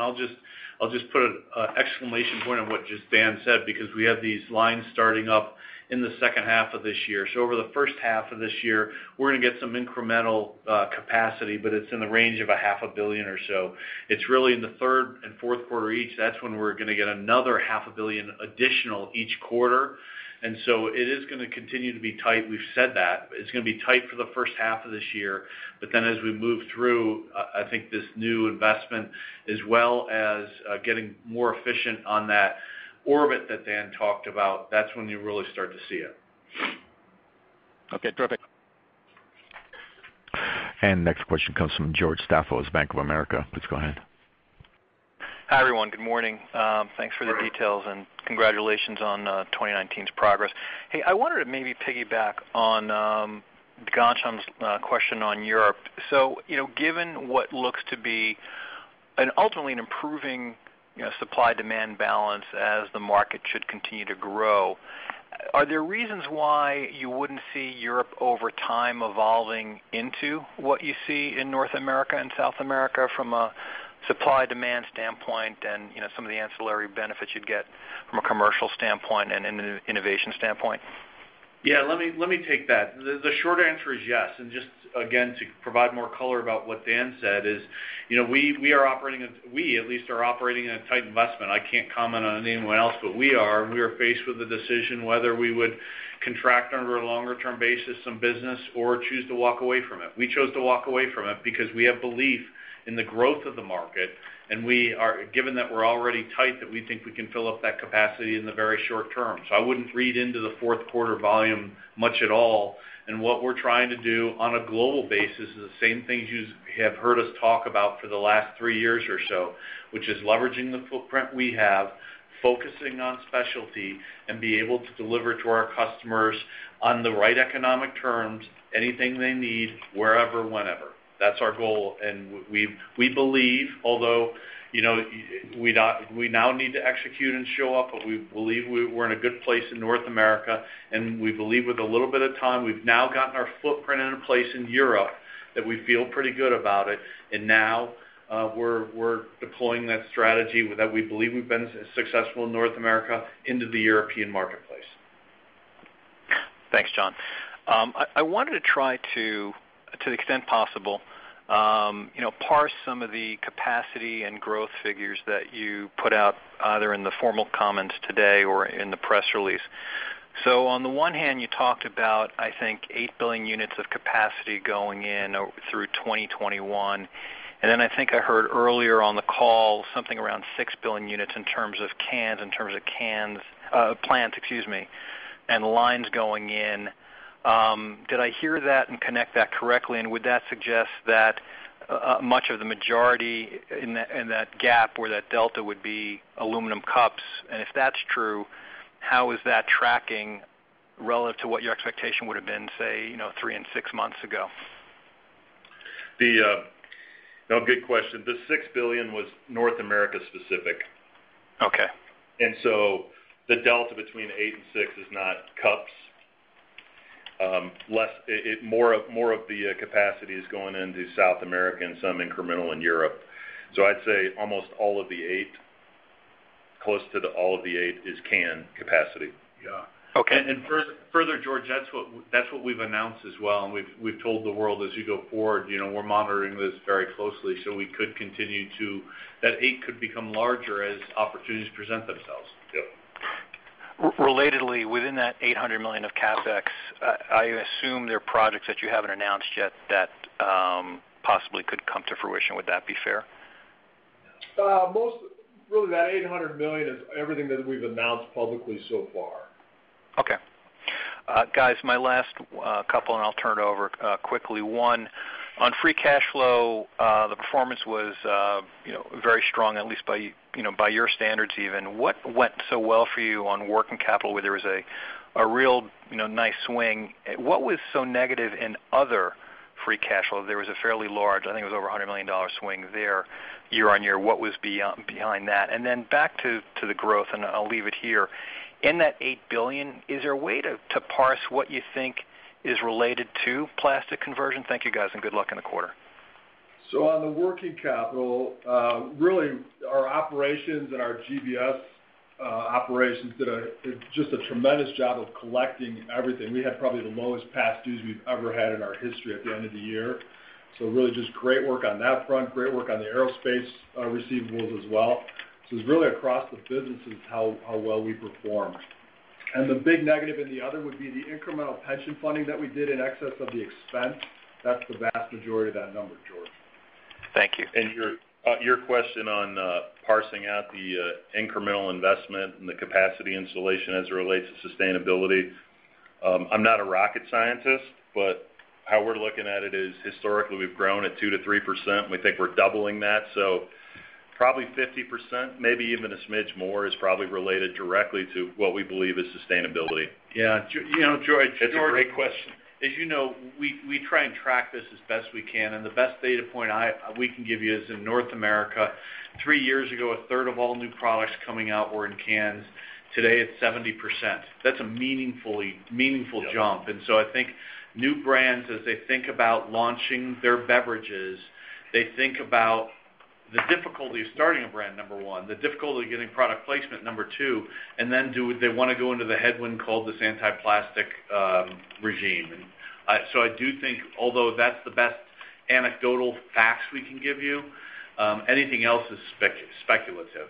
I'll just put an exclamation point on what just Dan said because we have these lines starting up in the second half of this year. Over the first half of this year, we're going to get some incremental capacity, but it's in the range of a half a billion or so. It's really in the third and fourth quarter each. That's when we're going to get another half a billion additional each quarter. It is going to continue to be tight. We've said that. It's going to be tight for the first half of this year. As we move through, I think this new investment as well as getting more efficient on that orbit that Dan talked about, that's when you really start to see it. Okay. Perfect.
Next question comes from George Staphos, Bank of America. Please go ahead.
Hi, everyone. Good morning. Thanks for the details, and congratulations on 2019's progress. Hey, I wanted to maybe piggyback on Ghansham's question on Europe. Given what looks to be ultimately an improving supply-demand balance as the market should continue to grow, are there reasons why you wouldn't see Europe over time evolving into what you see in North America and South America from a supply-demand standpoint and some of the ancillary benefits you'd get from a commercial standpoint and an innovation standpoint?
Yeah, let me take that. The short answer is yes. Just, again, to provide more color about what Dan said is we at least are operating in a tight investment. I can't comment on anyone else, but we are, and we are faced with the decision whether we would contract under a longer-term basis some business or choose to walk away from it. We chose to walk away from it because we have belief in the growth of the market, and given that we're already tight, that we think we can fill up that capacity in the very short term. I wouldn't read into the fourth quarter volume much at all. What we're trying to do on a global basis is the same things you have heard us talk about for the last three years or so, which is leveraging the footprint we have, focusing on specialty, and be able to deliver to our customers on the right economic terms anything they need, wherever, whenever. That's our goal. We believe, although we now need to execute and show up, but we believe we're in a good place in North America, and we believe with a little bit of time, we've now gotten our footprint in place in Europe that we feel pretty good about it. Now we're deploying that strategy that we believe we've been successful in North America into the European marketplace.
Thanks, John. I wanted to try to the extent possible, parse some of the capacity and growth figures that you put out, either in the formal comments today or in the press release. On the one hand, you talked about, I think, 8 billion units of capacity going in through 2021. I think I heard earlier on the call something around 6 billion units in terms of plants, excuse me, and lines going in. Did I hear that and connect that correctly? Would that suggest that much of the majority in that gap or that delta would be aluminum cups? If that's true, how is that tracking relative to what your expectation would've been, say, three and six months ago?
No, good question. The 6 billion was North America specific.
Okay.
The delta between 8 billion and 6 billion is not cups. More of the capacity is going into South America and some incremental in Europe. I'd say almost all of the 8 billion, close to all of the 8 billion is can capacity.
Okay.
Further, George, that's what we've announced as well, and we've told the world as you go forward, we're monitoring this very closely, so we could continue. That 8 billion could become larger as opportunities present themselves. Yep.
Within that $800 million of CapEx, I assume there are projects that you haven't announced yet that possibly could come to fruition. Would that be fair?
Most, really that $800 million is everything that we've announced publicly so far.
Okay. Guys, my last couple, and I'll turn it over quickly. One, on free cash flow, the performance was very strong, at least by your standards even. What went so well for you on working capital where there was a real nice swing? What was so negative in other free cash flow? There was a fairly large, I think it was over $100 million swing there year-on-year. What was behind that? Back to the growth, and I'll leave it here. In that $8 billion, is there a way to parse what you think is related to plastic conversion? Thank you, guys, and good luck in the quarter.
On the working capital, really our operations and our GBS operations did just a tremendous job of collecting everything. We had probably the lowest past dues we've ever had in our history at the end of the year. Really just great work on that front. Great work on the aerospace receivables as well. It's really across the businesses how well we performed. The big negative in the other would be the incremental pension funding that we did in excess of the expense. That's the vast majority of that number, George.
Thank you.
Your question on parsing out the incremental investment and the capacity installation as it relates to sustainability. I'm not a rocket scientist, but how we're looking at it is historically we've grown at 2%-3%, and we think we're doubling that. Probably 50%, maybe even a smidge more, is probably related directly to what we believe is sustainability.
Yeah. George.
It's a great question.
As you know, we try and track this as best we can, and the best data point we can give you is in North America, three years ago, a third of all new products coming out were in cans. Today it's 70%. That's a meaningful jump. I think new brands, as they think about launching their beverages, they think about the difficulty of starting a brand, number one, the difficulty of getting product placement, number two, and then do they want to go into the headwind called this anti-plastic regime? I do think although that's the best anecdotal facts we can give you, anything else is speculative.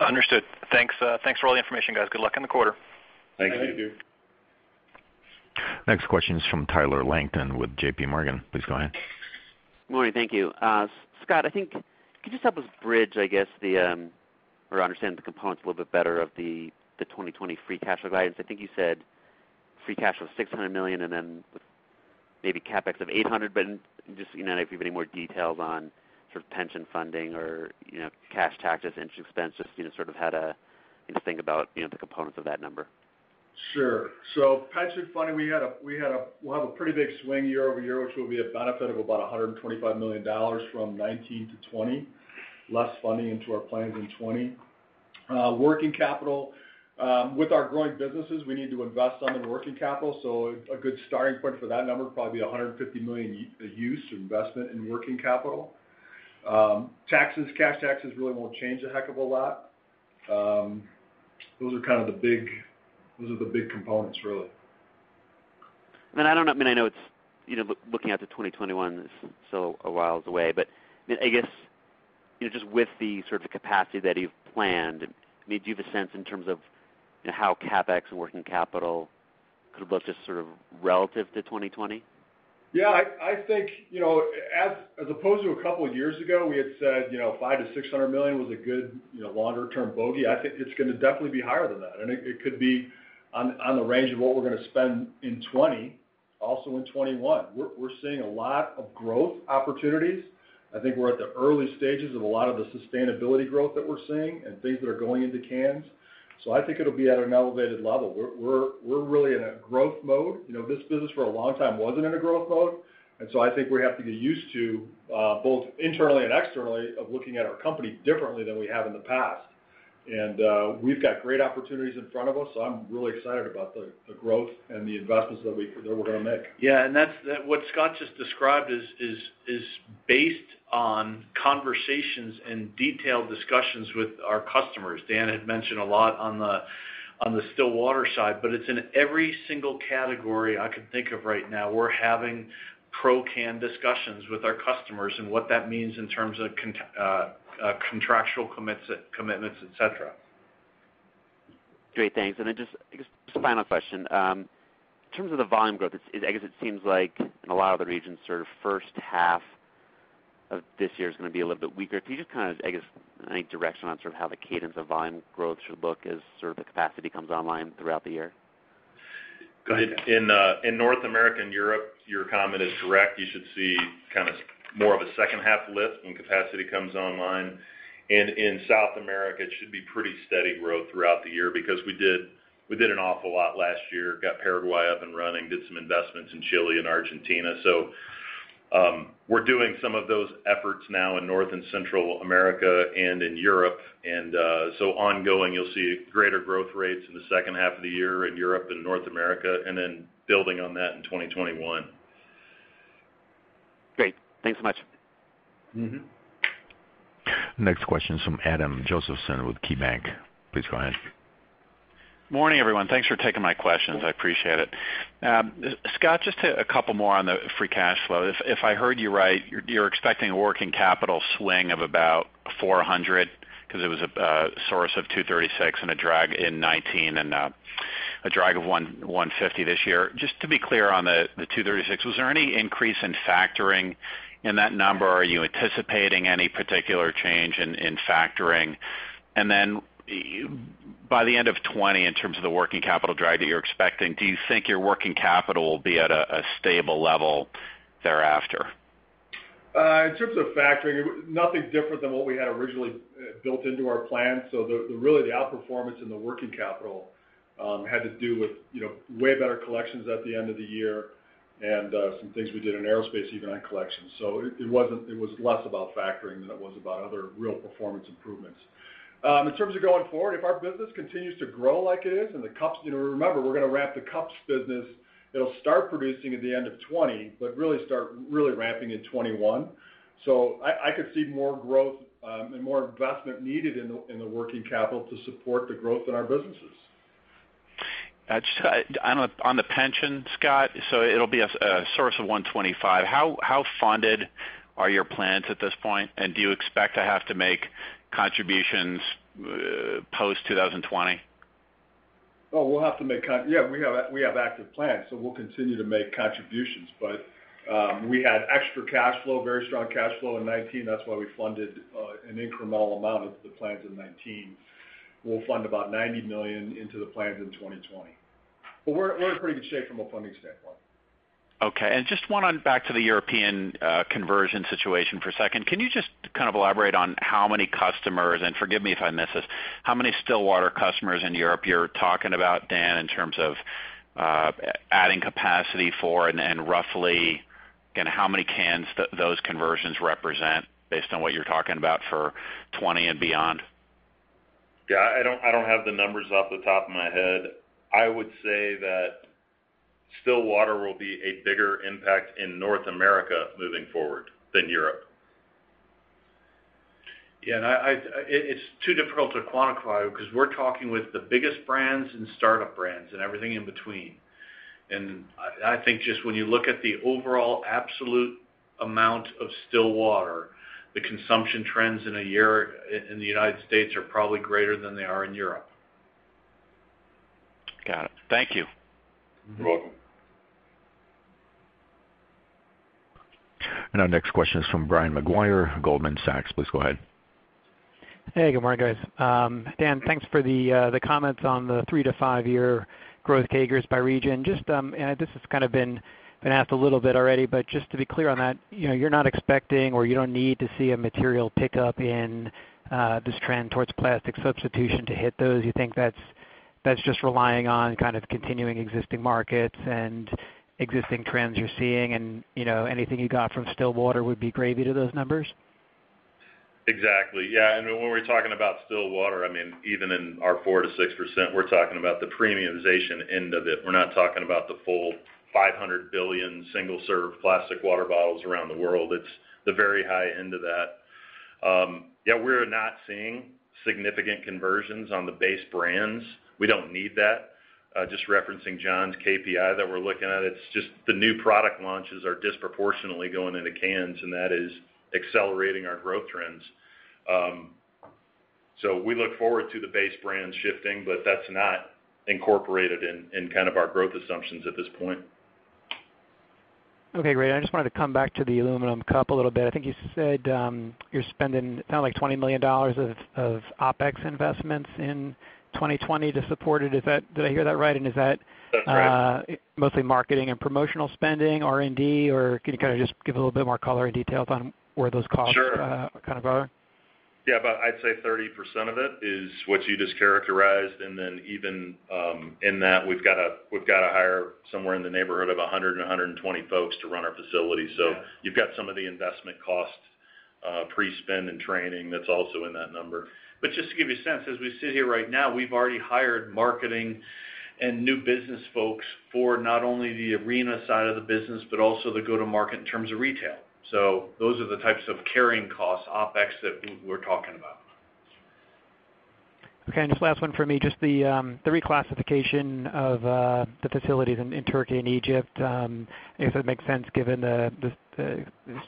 Understood. Thanks for all the information, guys. Good luck in the quarter.
Thank you.
Thank you.
Next question is from Tyler Langton with JPMorgan. Please go ahead.
Morning. Thank you. Scott, I think, could you just help us bridge, I guess, or understand the components a little bit better of the 2020 free cash flow guidance? I think you said free cash flow $600 million and then maybe CapEx of $800 million, but just if you have any more details on sort of pension funding or cash taxes, interest expense, just sort of how to think about the components of that number.
Sure. Pension funding, we'll have a pretty big swing year-over-year, which will be a benefit of about $125 million from 2019 to 2020, less funding into our plans in 2020. Working capital. With our growing businesses, we need to invest on the working capital. A good starting point for that number would probably be $150 million use or investment in working capital. Taxes, cash taxes really won't change a heck of a lot. Those are kind of the big components really.
I know it's looking out to 2021 is still a while away, but I guess just with the sort of the capacity that you've planned, do you have a sense in terms of how CapEx and working capital could look just sort of relative to 2020?
Yeah, I think, as opposed to a couple of years ago, we had said, $500 million-$600 million was a good longer term bogey. I think it's going to definitely be higher than that. It could be on the range of what we're going to spend in 2020, also in 2021. We're seeing a lot of growth opportunities. I think we're at the early stages of a lot of the sustainability growth that we're seeing and things that are going into cans. I think it'll be at an elevated level. We're really in a growth mode. This business for a long time wasn't in a growth mode. I think we have to get used to, both internally and externally, of looking at our company differently than we have in the past. We've got great opportunities in front of us, so I'm really excited about the growth and the investments that we're going to make.
Yeah, what Scott just described is based on conversations and detailed discussions with our customers. Dan had mentioned a lot on the still water side, but it's in every single category I can think of right now. We're having pro-can discussions with our customers and what that means in terms of contractual commitments, et cetera.
Great. Thanks. Just final question. In terms of the volume growth, I guess it seems like in a lot of the regions sort of first half of this year is going to be a little bit weaker. Can you just kind of, I guess, any direction on sort of how the cadence of volume growth should look as sort of the capacity comes online throughout the year?
Go ahead, Dan.
In North America and Europe, your comment is correct. You should see kind of more of a second half lift when capacity comes online. In South America, it should be pretty steady growth throughout the year because we did an awful lot last year, got Paraguay up and running, did some investments in Chile and Argentina. We're doing some of those efforts now in North and Central America and in Europe. Ongoing, you'll see greater growth rates in the second half of the year in Europe and North America, then building on that in 2021.
Great. Thanks so much.
Next question is from Adam Josephson with KeyBank. Please go ahead.
Morning, everyone. Thanks for taking my questions. I appreciate it. Scott, just a couple more on the free cash flow. If I heard you right, you're expecting a working capital swing of about $400, because it was a source of $236 and a drag in 2019, and a drag of $150 this year. Just to be clear on the $236, was there any increase in factoring in that number? Are you anticipating any particular change in factoring? By the end of 2020, in terms of the working capital drag that you're expecting, do you think your working capital will be at a stable level thereafter?
In terms of factoring, nothing different than what we had originally built into our plan. Really the outperformance in the working capital had to do with way better collections at the end of the year and some things we did in aerospace, even on collections. It was less about factoring than it was about other real performance improvements. In terms of going forward, if our business continues to grow like it is, and remember, we're going to ramp the cups business. It'll start producing at the end of 2020, but really start ramping in 2021. I could see more growth and more investment needed in the working capital to support the growth in our businesses.
On the pension, Scott, it'll be a source of $125. How funded are your plans at this point, and do you expect to have to make contributions post 2020?
We have active plans, so we'll continue to make contributions. We had extra cash flow, very strong cash flow in 2019. That's why we funded an incremental amount of the plans in 2019. We'll fund about $90 million into the plans in 2020. We're in pretty good shape from a funding standpoint.
Just one on back to the European conversion situation for a second. Can you just kind of elaborate on how many customers, and forgive me if I miss this, how many still water customers in Europe you're talking about, Dan, in terms of adding capacity for, and roughly how many cans those conversions represent based on what you're talking about for 2020 and beyond?
Yeah, I don't have the numbers off the top of my head. I would say that still water will be a bigger impact in North America moving forward than Europe.
Yeah, it's too difficult to quantify because we're talking with the biggest brands and startup brands and everything in between. I think just when you look at the overall absolute amount of still water, the consumption trends in a year in the U.S. are probably greater than they are in Europe.
Got it. Thank you.
You're welcome.
Our next question is from Brian Maguire, Goldman Sachs. Please go ahead.
Hey, good morning, guys. Dan, thanks for the comments on the three to five year growth CAGRs by region. This has kind of been asked a little bit already, but just to be clear on that, you're not expecting or you don't need to see a material pickup in this trend towards plastic substitution to hit those? You think that's just relying on kind of continuing existing markets and existing trends you're seeing and anything you got from still water would be gravy to those numbers?
Exactly. Yeah. When we're talking about still water, even in our 4%-6%, we're talking about the premiumization end of it. We're not talking about the full 500 billion single-serve plastic water bottles around the world. It's the very high end of that. Yeah, we're not seeing significant conversions on the base brands. We don't need that. Just referencing John's KPI that we're looking at, it's just the new product launches are disproportionately going into cans, and that is accelerating our growth trends. We look forward to the base brands shifting, but that's not incorporated in kind of our growth assumptions at this point.
Okay, great. I just wanted to come back to the aluminum cup a little bit. I think you said you're spending like $20 million of OpEx investments in 2020 to support it. Did I hear that right?
That's right.
mostly marketing and promotional spending, R&D, or can you kind of just give a little bit more color and detail on where those costs-
Sure.
-kind of are?
Yeah, about I'd say 30% of it is what you just characterized, and then even in that, we've got to hire somewhere in the neighborhood of 100-120 folks to run our facility.
Yeah.
You've got some of the investment cost pre-spend and training that's also in that number.
Just to give you a sense, as we sit here right now, we've already hired marketing and new business folks for not only the arena side of the business, but also the go-to-market in terms of retail. Those are the types of carrying costs, OpEx, that we're talking about.
Okay. Just last one for me, just the reclassification of the facilities in Turkey and Egypt, if it makes sense given the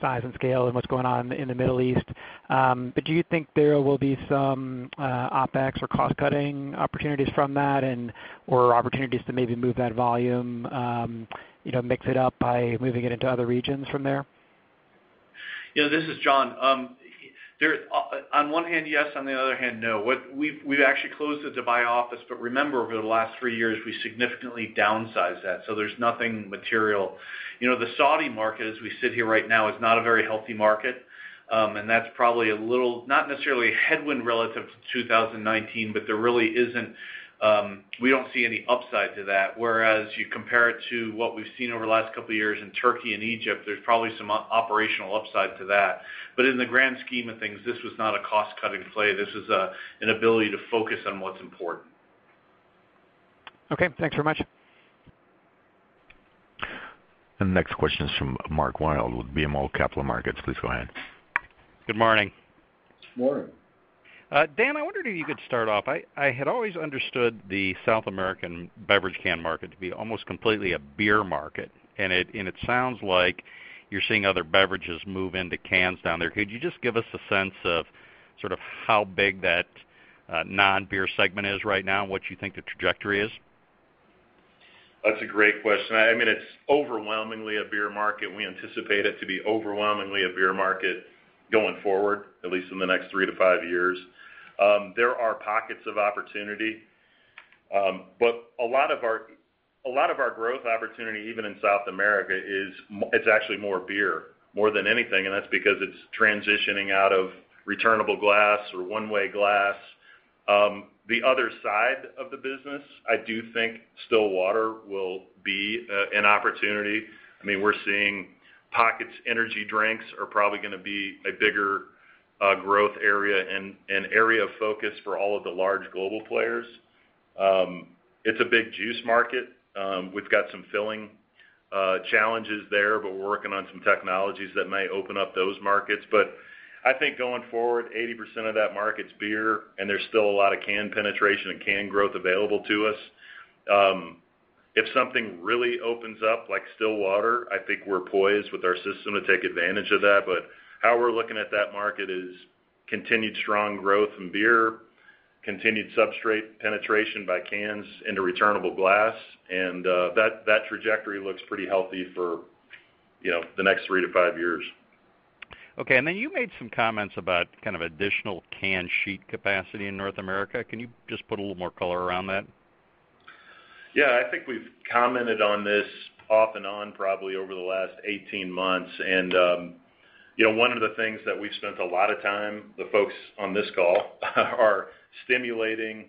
size and scale and what's going on in the Middle East. Do you think there will be some OpEx or cost-cutting opportunities from that or opportunities to maybe move that volume, mix it up by moving it into other regions from there?
This is John. On one hand, yes, on the other hand, no. We've actually closed the Dubai office. Remember, over the last three years, we significantly downsized that. There's nothing material. The Saudi market, as we sit here right now, is not a very healthy market. That's probably not necessarily a headwind relative to 2019, but we don't see any upside to that. Whereas you compare it to what we've seen over the last couple of years in Turkey and Egypt, there's probably some operational upside to that. In the grand scheme of things, this was not a cost-cutting play. This is an ability to focus on what's important.
Okay. Thanks very much.
The next question is from Mark Wilde with BMO Capital Markets. Please go ahead.
Good morning.
Morning.
Dan, I wondered if you could start off. I had always understood the South American beverage can market to be almost completely a beer market. It sounds like you're seeing other beverages move into cans down there. Could you just give us a sense of how big that non-beer segment is right now and what you think the trajectory is?
That's a great question. It's overwhelmingly a beer market. We anticipate it to be overwhelmingly a beer market going forward, at least in the next three to five years. There are pockets of opportunity. A lot of our growth opportunity, even in South America, it's actually more beer, more than anything, and that's because it's transitioning out of returnable glass or one-way glass. The other side of the business, I do think still water will be an opportunity. We're seeing pockets. Energy drinks are probably going to be a bigger growth area and area of focus for all of the large global players. It's a big juice market. We've got some filling challenges there, but we're working on some technologies that may open up those markets. I think going forward, 80% of that market's beer, and there's still a lot of can penetration and can growth available to us. If something really opens up, like still water, I think we're poised with our system to take advantage of that. How we're looking at that market is continued strong growth in beer, continued substrate penetration by cans into returnable glass, and that trajectory looks pretty healthy for the next three to five years.
Okay. You made some comments about additional can sheet capacity in North America. Can you just put a little more color around that?
Yeah. I think we've commented on this off and on probably over the last 18 months. One of the things that we've spent a lot of time, the folks on this call, are stimulating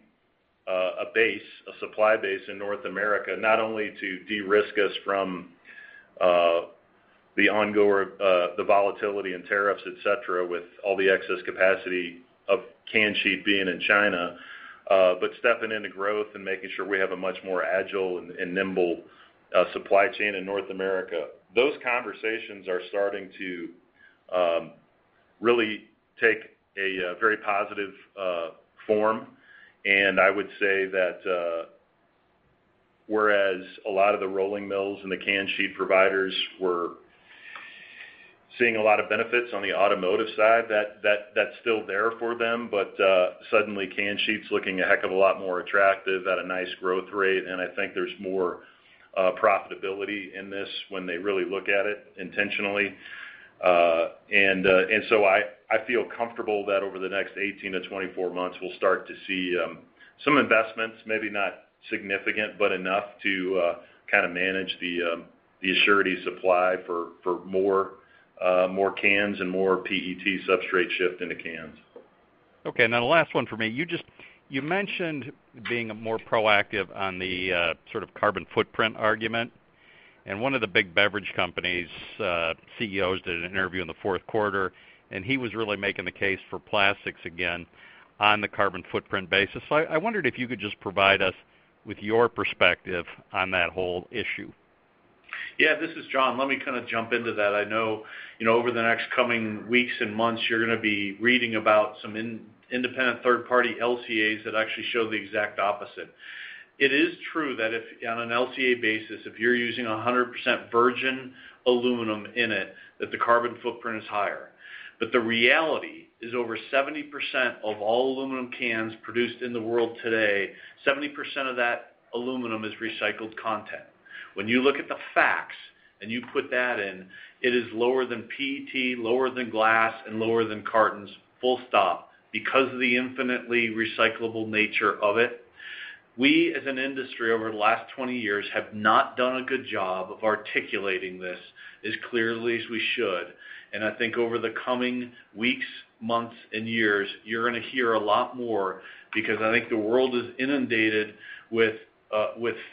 a supply base in North America, not only to de-risk us from the volatility in tariffs, et cetera, with all the excess capacity of can sheet being in China, but stepping into growth and making sure we have a much more agile and nimble supply chain in North America. Those conversations are starting to really take a very positive form. I would say that whereas a lot of the rolling mills and the can sheet providers were seeing a lot of benefits on the automotive side, that's still there for them. Suddenly, can sheet's looking a heck of a lot more attractive at a nice growth rate. I think there's more profitability in this when they really look at it intentionally. I feel comfortable that over the next 18-24 months, we'll start to see some investments, maybe not significant, but enough to manage the surety supply for more cans and more PET substrate shift into cans.
Okay. The last one from me. You mentioned being more proactive on the carbon footprint argument. One of the big beverage companies CEOs did an interview in the fourth quarter, and he was really making the case for plastics again on the carbon footprint basis. I wondered if you could just provide us with your perspective on that whole issue.
Yeah. This is John. Let me jump into that. I know over the next coming weeks and months, you're going to be reading about some independent third-party LCAs that actually show the exact opposite. It is true that if on an LCA basis, if you're using 100% virgin aluminum in it, that the carbon footprint is higher. The reality is over 70% of all aluminum cans produced in the world today, 70% of that aluminum is recycled content. When you look at the facts and you put that in, it is lower than PET, lower than glass, and lower than cartons, full stop because of the infinitely recyclable nature of it. We, as an industry over the last 20 years, have not done a good job of articulating this as clearly as we should. I think over the coming weeks, months, and years, you're going to hear a lot more because I think the world is inundated with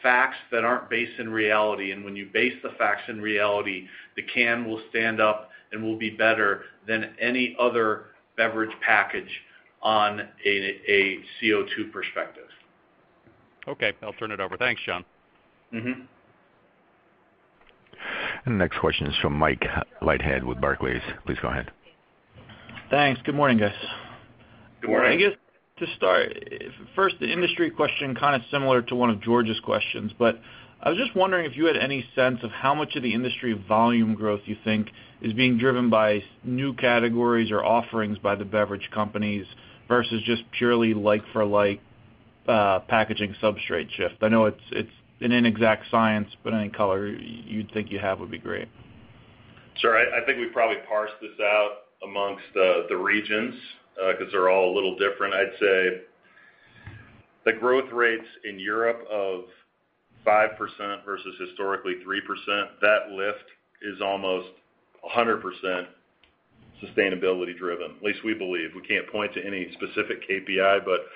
facts that aren't based in reality. When you base the facts in reality, the can will stand up and will be better than any other beverage package on a CO2 perspective.
Okay. I'll turn it over. Thanks, John.
The next question is from Mike Leithead with Barclays. Please go ahead.
Thanks. Good morning, guys.
Good morning.
I guess to start, first, the industry question, kind of similar to one of George's questions, but I was just wondering if you had any sense of how much of the industry volume growth you think is being driven by new categories or offerings by the beverage companies versus just purely like for like packaging substrate shift? I know it's an inexact science, but any color you think you have would be great.
Sure. I think we probably parsed this out amongst the regions, because they're all a little different. I'd say the growth rates in Europe of 5% versus historically 3%, that lift is almost 100% sustainability driven. At least we believe. We can't point to any specific KPI, but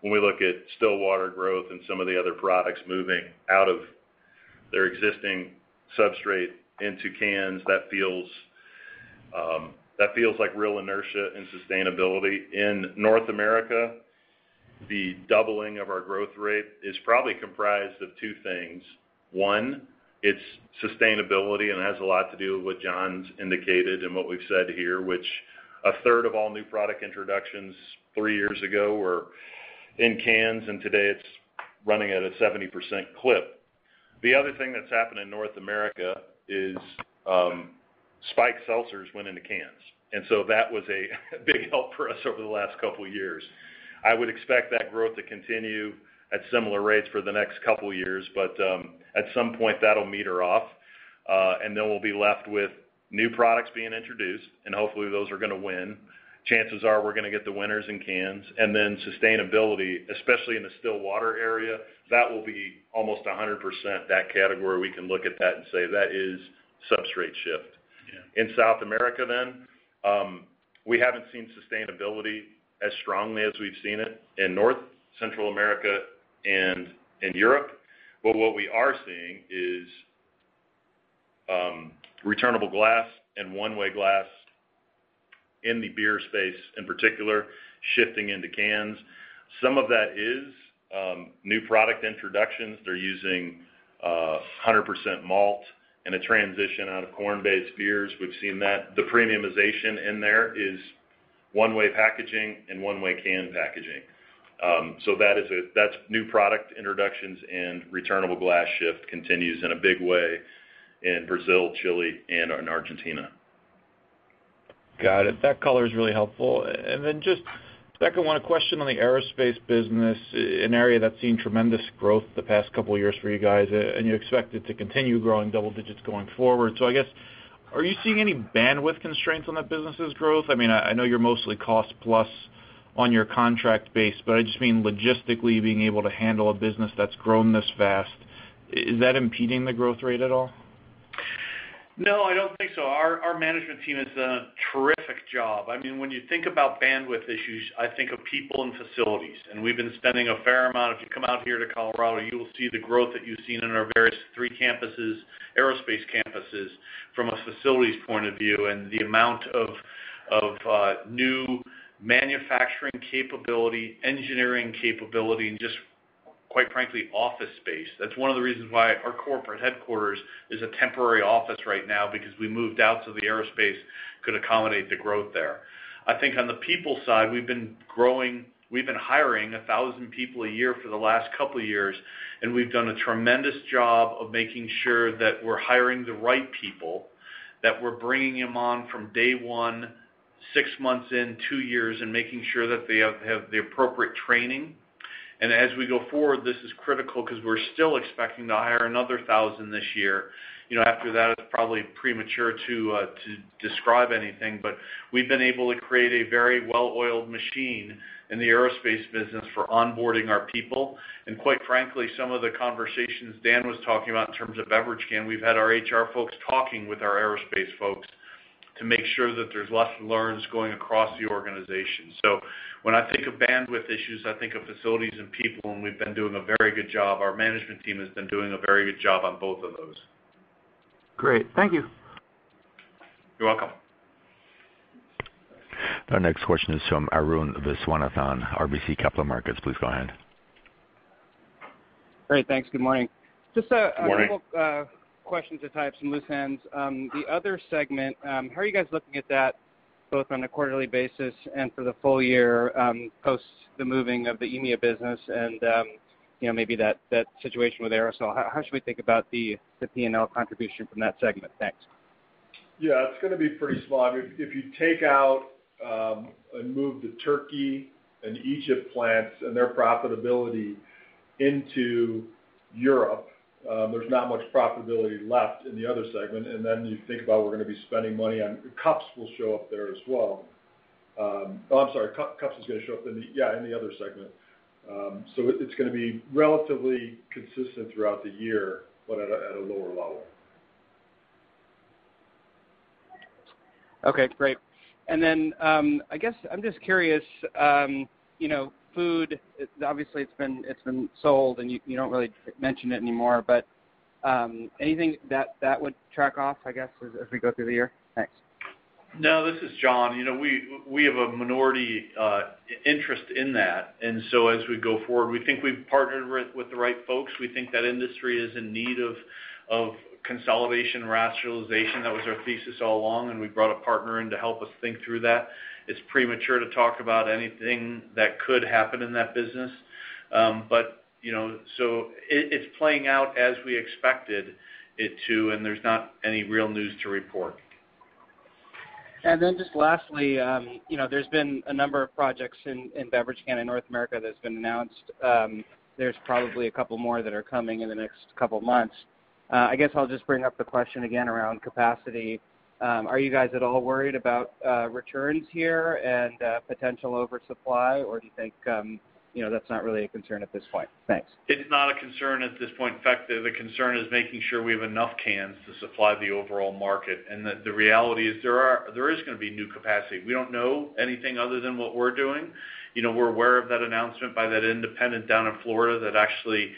when we look at still water growth and some of the other products moving out of their existing substrate into cans, that feels like real inertia and sustainability. In North America, the doubling of our growth rate is probably comprised of two things. One, it's sustainability, and it has a lot to do with what John's indicated and what we've said here, which a third of all new product introductions three years ago were in cans, and today it's running at a 70% clip. The other thing that's happened in North America is spiked seltzers went into cans, so that was a big help for us over the last couple of years. I would expect that growth to continue at similar rates for the next couple of years, but at some point, that'll meter off. We'll be left with new products being introduced, and hopefully those are going to win. Chances are we're going to get the winners in cans. Sustainability, especially in the still water area, that will be almost 100%, that category, we can look at that and say, that is substrate shift.
Yeah. In South America, we haven't seen sustainability as strongly as we've seen it in North, Central America and in Europe. What we are seeing is returnable glass and one-way glass in the beer space, in particular, shifting into cans. Some of that is new product introductions. They're using 100% malt in a transition out of corn-based beers. We've seen that the premiumization in there is one-way packaging and one-way can packaging. That's new product introductions and returnable glass shift continues in a big way in Brazil, Chile, and in Argentina.
Got it. That color is really helpful. Just second one, a question on the aerospace business, an area that's seen tremendous growth the past couple of years for you guys, and you expect it to continue growing double digits going forward. I guess, are you seeing any bandwidth constraints on that business's growth? I know you're mostly cost plus on your contract base, but I just mean logistically being able to handle a business that's grown this fast. Is that impeding the growth rate at all?
No, I don't think so. Our management team has done a terrific job. When you think about bandwidth issues, I think of people and facilities, and we've been spending a fair amount. If you come out here to Colorado, you will see the growth that you've seen in our various three campuses, aerospace campuses, from a facilities point of view and the amount of new manufacturing capability, engineering capability, and just, quite frankly, office space. That's one of the reasons why our corporate headquarters is a temporary office right now, because we moved out so the aerospace could accommodate the growth there. I think on the people side, we've been hiring 1,000 people a year for the last couple of years, and we've done a tremendous job of making sure that we're hiring the right people, that we're bringing them on from day one, six months in, two years, and making sure that they have the appropriate training. As we go forward, this is critical because we're still expecting to hire another 1,000 this year. After that, it's probably premature to describe anything, but we've been able to create a very well-oiled machine in the aerospace business for onboarding our people. Quite frankly, some of the conversations Dan was talking about in terms of beverage can, we've had our HR folks talking with our aerospace folks to make sure that there's lessons learned going across the organization. When I think of bandwidth issues, I think of facilities and people, and we've been doing a very good job. Our management team has been doing a very good job on both of those.
Great. Thank you.
You're welcome.
Our next question is from Arun Viswanathan, RBC Capital Markets. Please go ahead.
Great. Thanks. Good morning.
Good morning.
Just a couple questions to tie up some loose ends. The other segment, how are you guys looking at that, both on a quarterly basis and for the full year, post the moving of the EMEA business and maybe that situation with aerosol? How should we think about the P&L contribution from that segment? Thanks.
Yeah, it's going to be pretty small. If you take out and move the Turkey and Egypt plants and their profitability into Europe, there's not much profitability left in the other segment. You think about we're going to be spending money on cups will show up there as well. Oh, I'm sorry. Cups is going to show up in the other segment. It's going to be relatively consistent throughout the year, but at a lower level.
Okay, great. I guess I'm just curious, food, obviously it's been sold and you don't really mention it anymore, but anything that would track off, I guess, as we go through the year? Thanks.
No, this is John. We have a minority interest in that. As we go forward, we think we've partnered with the right folks. We think that industry is in need of consolidation, rationalization. That was our thesis all along, and we brought a partner in to help us think through that. It's premature to talk about anything that could happen in that business. It's playing out as we expected it to, and there's not any real news to report.
Then just lastly, there's been a number of projects in beverage can in North America that's been announced. There's probably a couple more that are coming in the next couple of months. I guess I'll just bring up the question again around capacity. Are you guys at all worried about returns here and potential oversupply, or do you think that's not really a concern at this point? Thanks.
It's not a concern at this point. The concern is making sure we have enough cans to supply the overall market. The reality is there is going to be new capacity. We don't know anything other than what we're doing. We're aware of that announcement by that independent down in Florida that actually,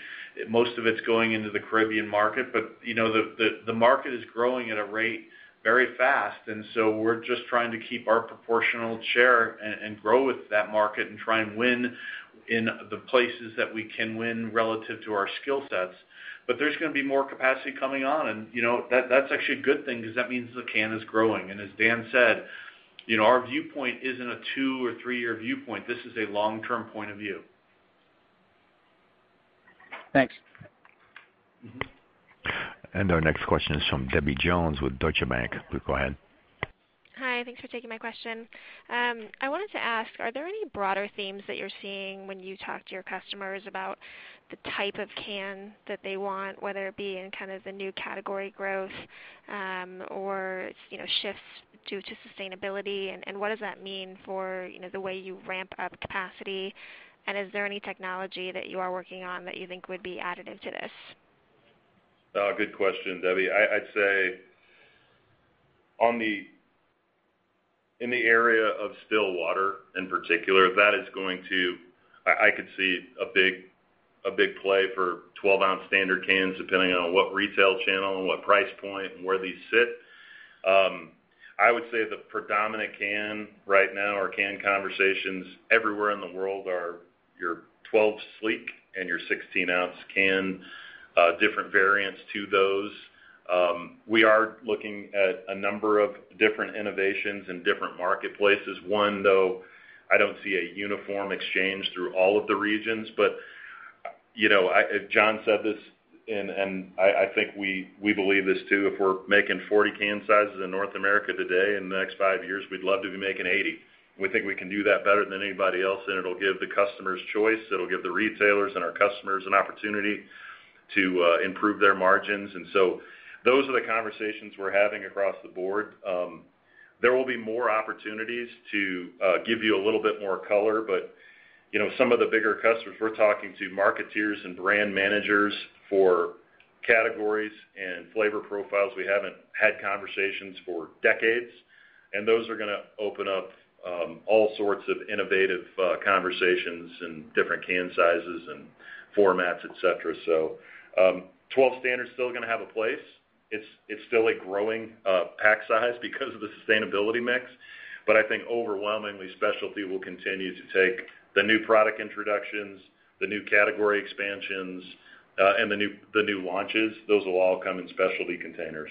most of it's going into the Caribbean market. The market is growing at a rate very fast, we're just trying to keep our proportional share and grow with that market and try and win in the places that we can win relative to our skill sets. There's going to be more capacity coming on, and that's actually a good thing because that means the can is growing. As Dan said, our viewpoint isn't a two or three-year viewpoint. This is a long-term point of view.
Thanks.
Our next question is from Debbie Jones with Deutsche Bank. Please go ahead.
Hi. Thanks for taking my question. I wanted to ask, are there any broader themes that you're seeing when you talk to your customers about the type of can that they want, whether it be in kind of the new category growth, or shifts due to sustainability? What does that mean for the way you ramp up capacity? Is there any technology that you are working on that you think would be additive to this?
Good question, Debbie. I'd say, in the area of still water in particular, I could see a big play for 12 oz standard cans, depending on what retail channel and what price point and where these sit. I would say the predominant can right now, or can conversations everywhere in the world, are your 12 sleek and your 16 oz can, different variants to those. We are looking at a number of different innovations in different marketplaces. One, though, I don't see a uniform exchange through all of the regions. John said this, and I think we believe this, too. If we're making 40 can sizes in North America today, in the next five years, we'd love to be making 80. We think we can do that better than anybody else. It'll give the customers choice. It'll give the retailers and our customers an opportunity to improve their margins. Those are the conversations we're having across the board. There will be more opportunities to give you a little bit more color. Some of the bigger customers we're talking to, marketers and brand managers for categories and flavor profiles, we haven't had conversations for decades, and those are going to open up all sorts of innovative conversations and different can sizes and formats, et cetera. 12 oz standard's still going to have a place. It's still a growing pack size because of the sustainability mix. I think overwhelmingly, specialty will continue to take the new product introductions, the new category expansions, and the new launches. Those will all come in specialty containers.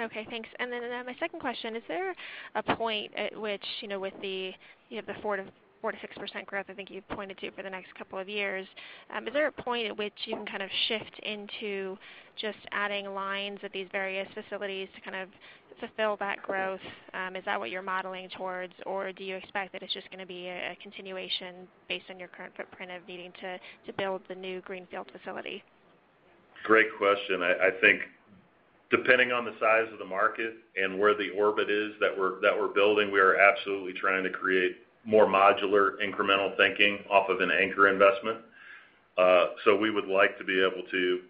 Okay, thanks. My second question, is there a point at which with the 4%-6% growth I think you pointed to for the next couple of years, is there a point at which you can kind of shift into just adding lines at these various facilities to kind of fulfill that growth? Is that what you're modeling towards, or do you expect that it's just going to be a continuation based on your current footprint of needing to build the new greenfield facility?
Great question. I think depending on the size of the market and where the orbit is that we're building, we are absolutely trying to create more modular, incremental thinking off of an anchor investment. We would like to be able to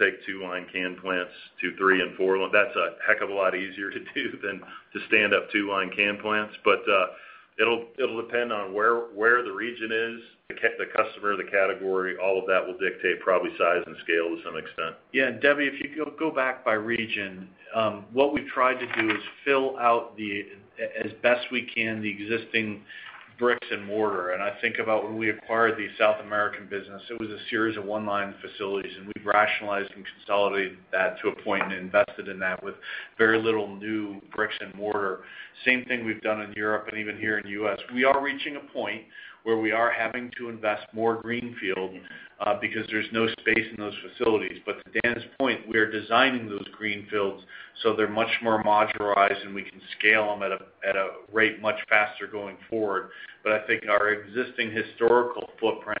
take two-line can plants to three and four. That's a heck of a lot easier to do than to stand up two-line can plants. It'll depend on where the region is, the customer, the category, all of that will dictate probably size and scale to some extent.
Yeah. Debbie, if you go back by region, what we've tried to do is fill out, as best we can, the existing bricks and mortar. I think about when we acquired the South American business, it was a series of one-line facilities, and we've rationalized and consolidated that to a point and invested in that with very little new bricks and mortar. Same thing we've done in Europe and even here in the U.S. We are reaching a point where we are having to invest more greenfield because there's no space in those facilities. To Dan's point, we are designing those greenfields so they're much more modularized, and we can scale them at a rate much faster going forward. I think our existing historical footprint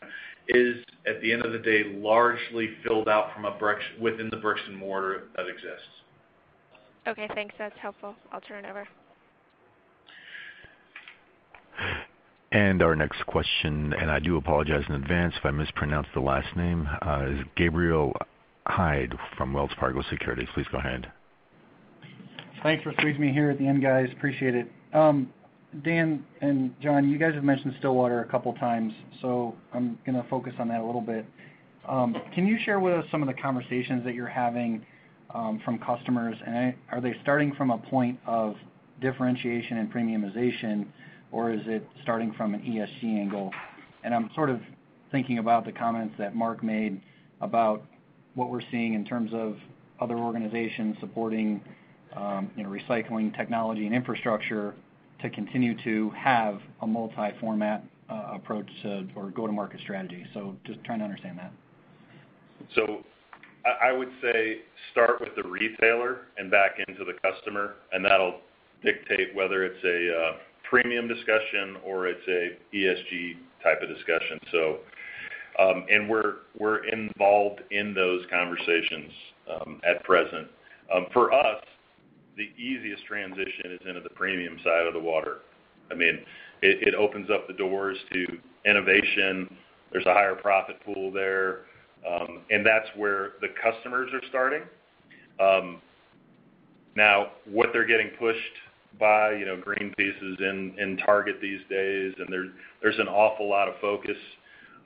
is, at the end of the day, largely filled out within the bricks and mortar that exists.
Okay, thanks. That's helpful. I'll turn it over.
Our next question, and I do apologize in advance if I mispronounce the last name, is Gabrial Hajde from Wells Fargo Securities. Please go ahead.
Thanks for squeezing me here at the end, guys. Appreciate it. Dan and John, you guys have mentioned still water a couple times, so I'm going to focus on that a little bit. Can you share with us some of the conversations that you're having from customers? Are they starting from a point of differentiation and premiumization, or is it starting from an ESG angle? I'm sort of thinking about the comments that Mark made about what we're seeing in terms of other organizations supporting recycling technology and infrastructure to continue to have a multi-format approach to, or go-to-market strategy. Just trying to understand that.
I would say start with the retailer and back into the customer, and that'll dictate whether it's a premium discussion or it's an ESG type of discussion. We're involved in those conversations at present. For us, the easiest transition is into the premium side of the water. It opens up the doors to innovation. There's a higher profit pool there. That's where the customers are starting. What they're getting pushed by Greenpeace is in Target these days, and there's an awful lot of focus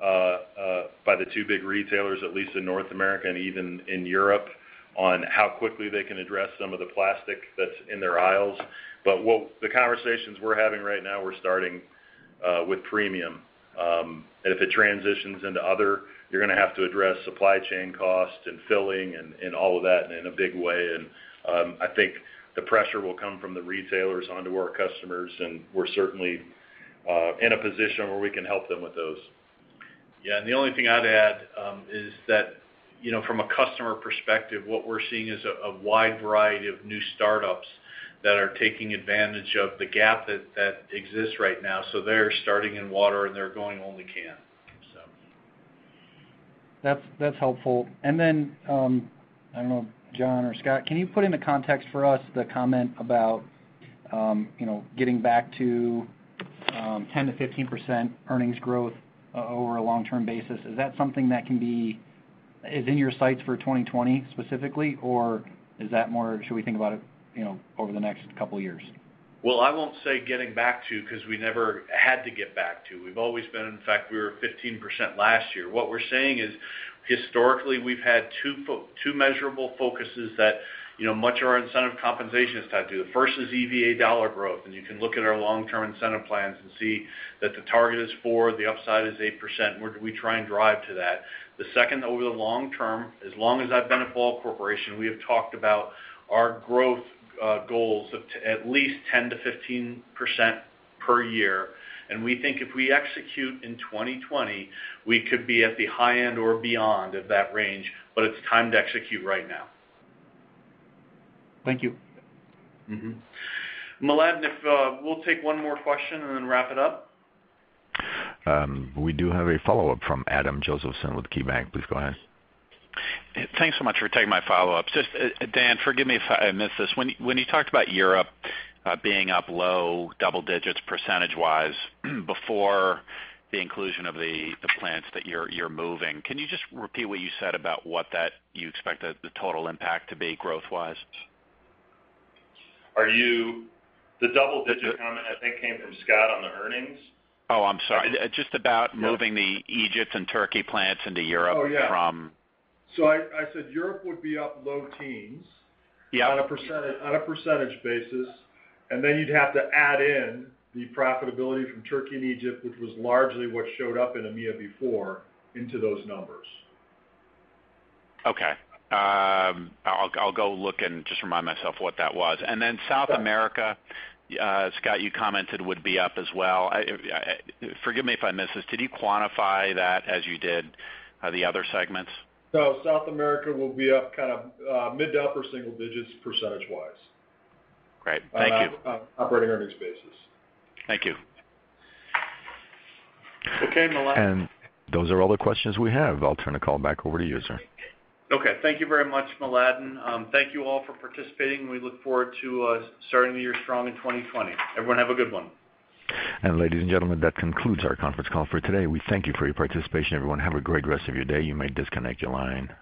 by the two big retailers, at least in North America and even in Europe, on how quickly they can address some of the plastic that's in their aisles. The conversations we're having right now, we're starting with premium. If it transitions into other, you're going to have to address supply chain costs and filling and all of that in a big way. I think the pressure will come from the retailers onto our customers, and we're certainly in a position where we can help them with those.
The only thing I'd add is that from a customer perspective, what we're seeing is a wide variety of new startups that are taking advantage of the gap that exists right now. They're starting in water, and they're going only can.
That's helpful. I don't know, John or Scott, can you put into context for us the comment about getting back to 10%-15% earnings growth over a long-term basis? Is that something that is in your sights for 2020 specifically, or should we think about it over the next couple of years?
Well, I won't say getting back to, because we never had to get back to. In fact, we were 15% last year. What we're saying is, historically, we've had two measurable focuses that much of our incentive compensation is tied to. The first is EVA dollar growth, and you can look at our long-term incentive plans and see that the target is 4%, the upside is 8%, and we try and drive to that. The second, over the long term, as long as I've been at Ball Corporation, we have talked about our growth goals of at least 10%-15% per year. We think if we execute in 2020, we could be at the high end or beyond of that range, but it's time to execute right now.
Thank you.
Miladen, we'll take one more question and then wrap it up.
We do have a follow-up from Adam Josephson with KeyBank. Please go ahead.
Thanks so much for taking my follow-up. Just, Dan, forgive me if I missed this. When you talked about Europe being up low double digits percentage-wise before the inclusion of the plants that you're moving, can you just repeat what you said about what you expect the total impact to be growth-wise?
The double-digit comment I think came from Scott on the earnings.
Oh, I'm sorry. Just about moving the Egypt and Turkey plants into Europe from-
Oh, yeah. I said Europe would be up low teens-
Yeah.
-on a percentage basis, and then you'd have to add in the profitability from Turkey and Egypt, which was largely what showed up in EMEA before, into those numbers.
Okay. I'll go look and just remind myself what that was. South America, Scott, you commented would be up as well. Forgive me if I missed this. Did you quantify that as you did the other segments?
No, South America will be up mid to upper single-digits percentage-wise.
Great. Thank you.
On an operating earnings basis.
Thank you.
Okay, Miladen.
Those are all the questions we have. I'll turn the call back over to you, sir.
Okay. Thank you very much, Miladen. Thank you all for participating. We look forward to starting the year strong in 2020. Everyone have a good one.
Ladies and gentlemen, that concludes our conference call for today. We thank you for your participation. Everyone have a great rest of your day. You may disconnect your line.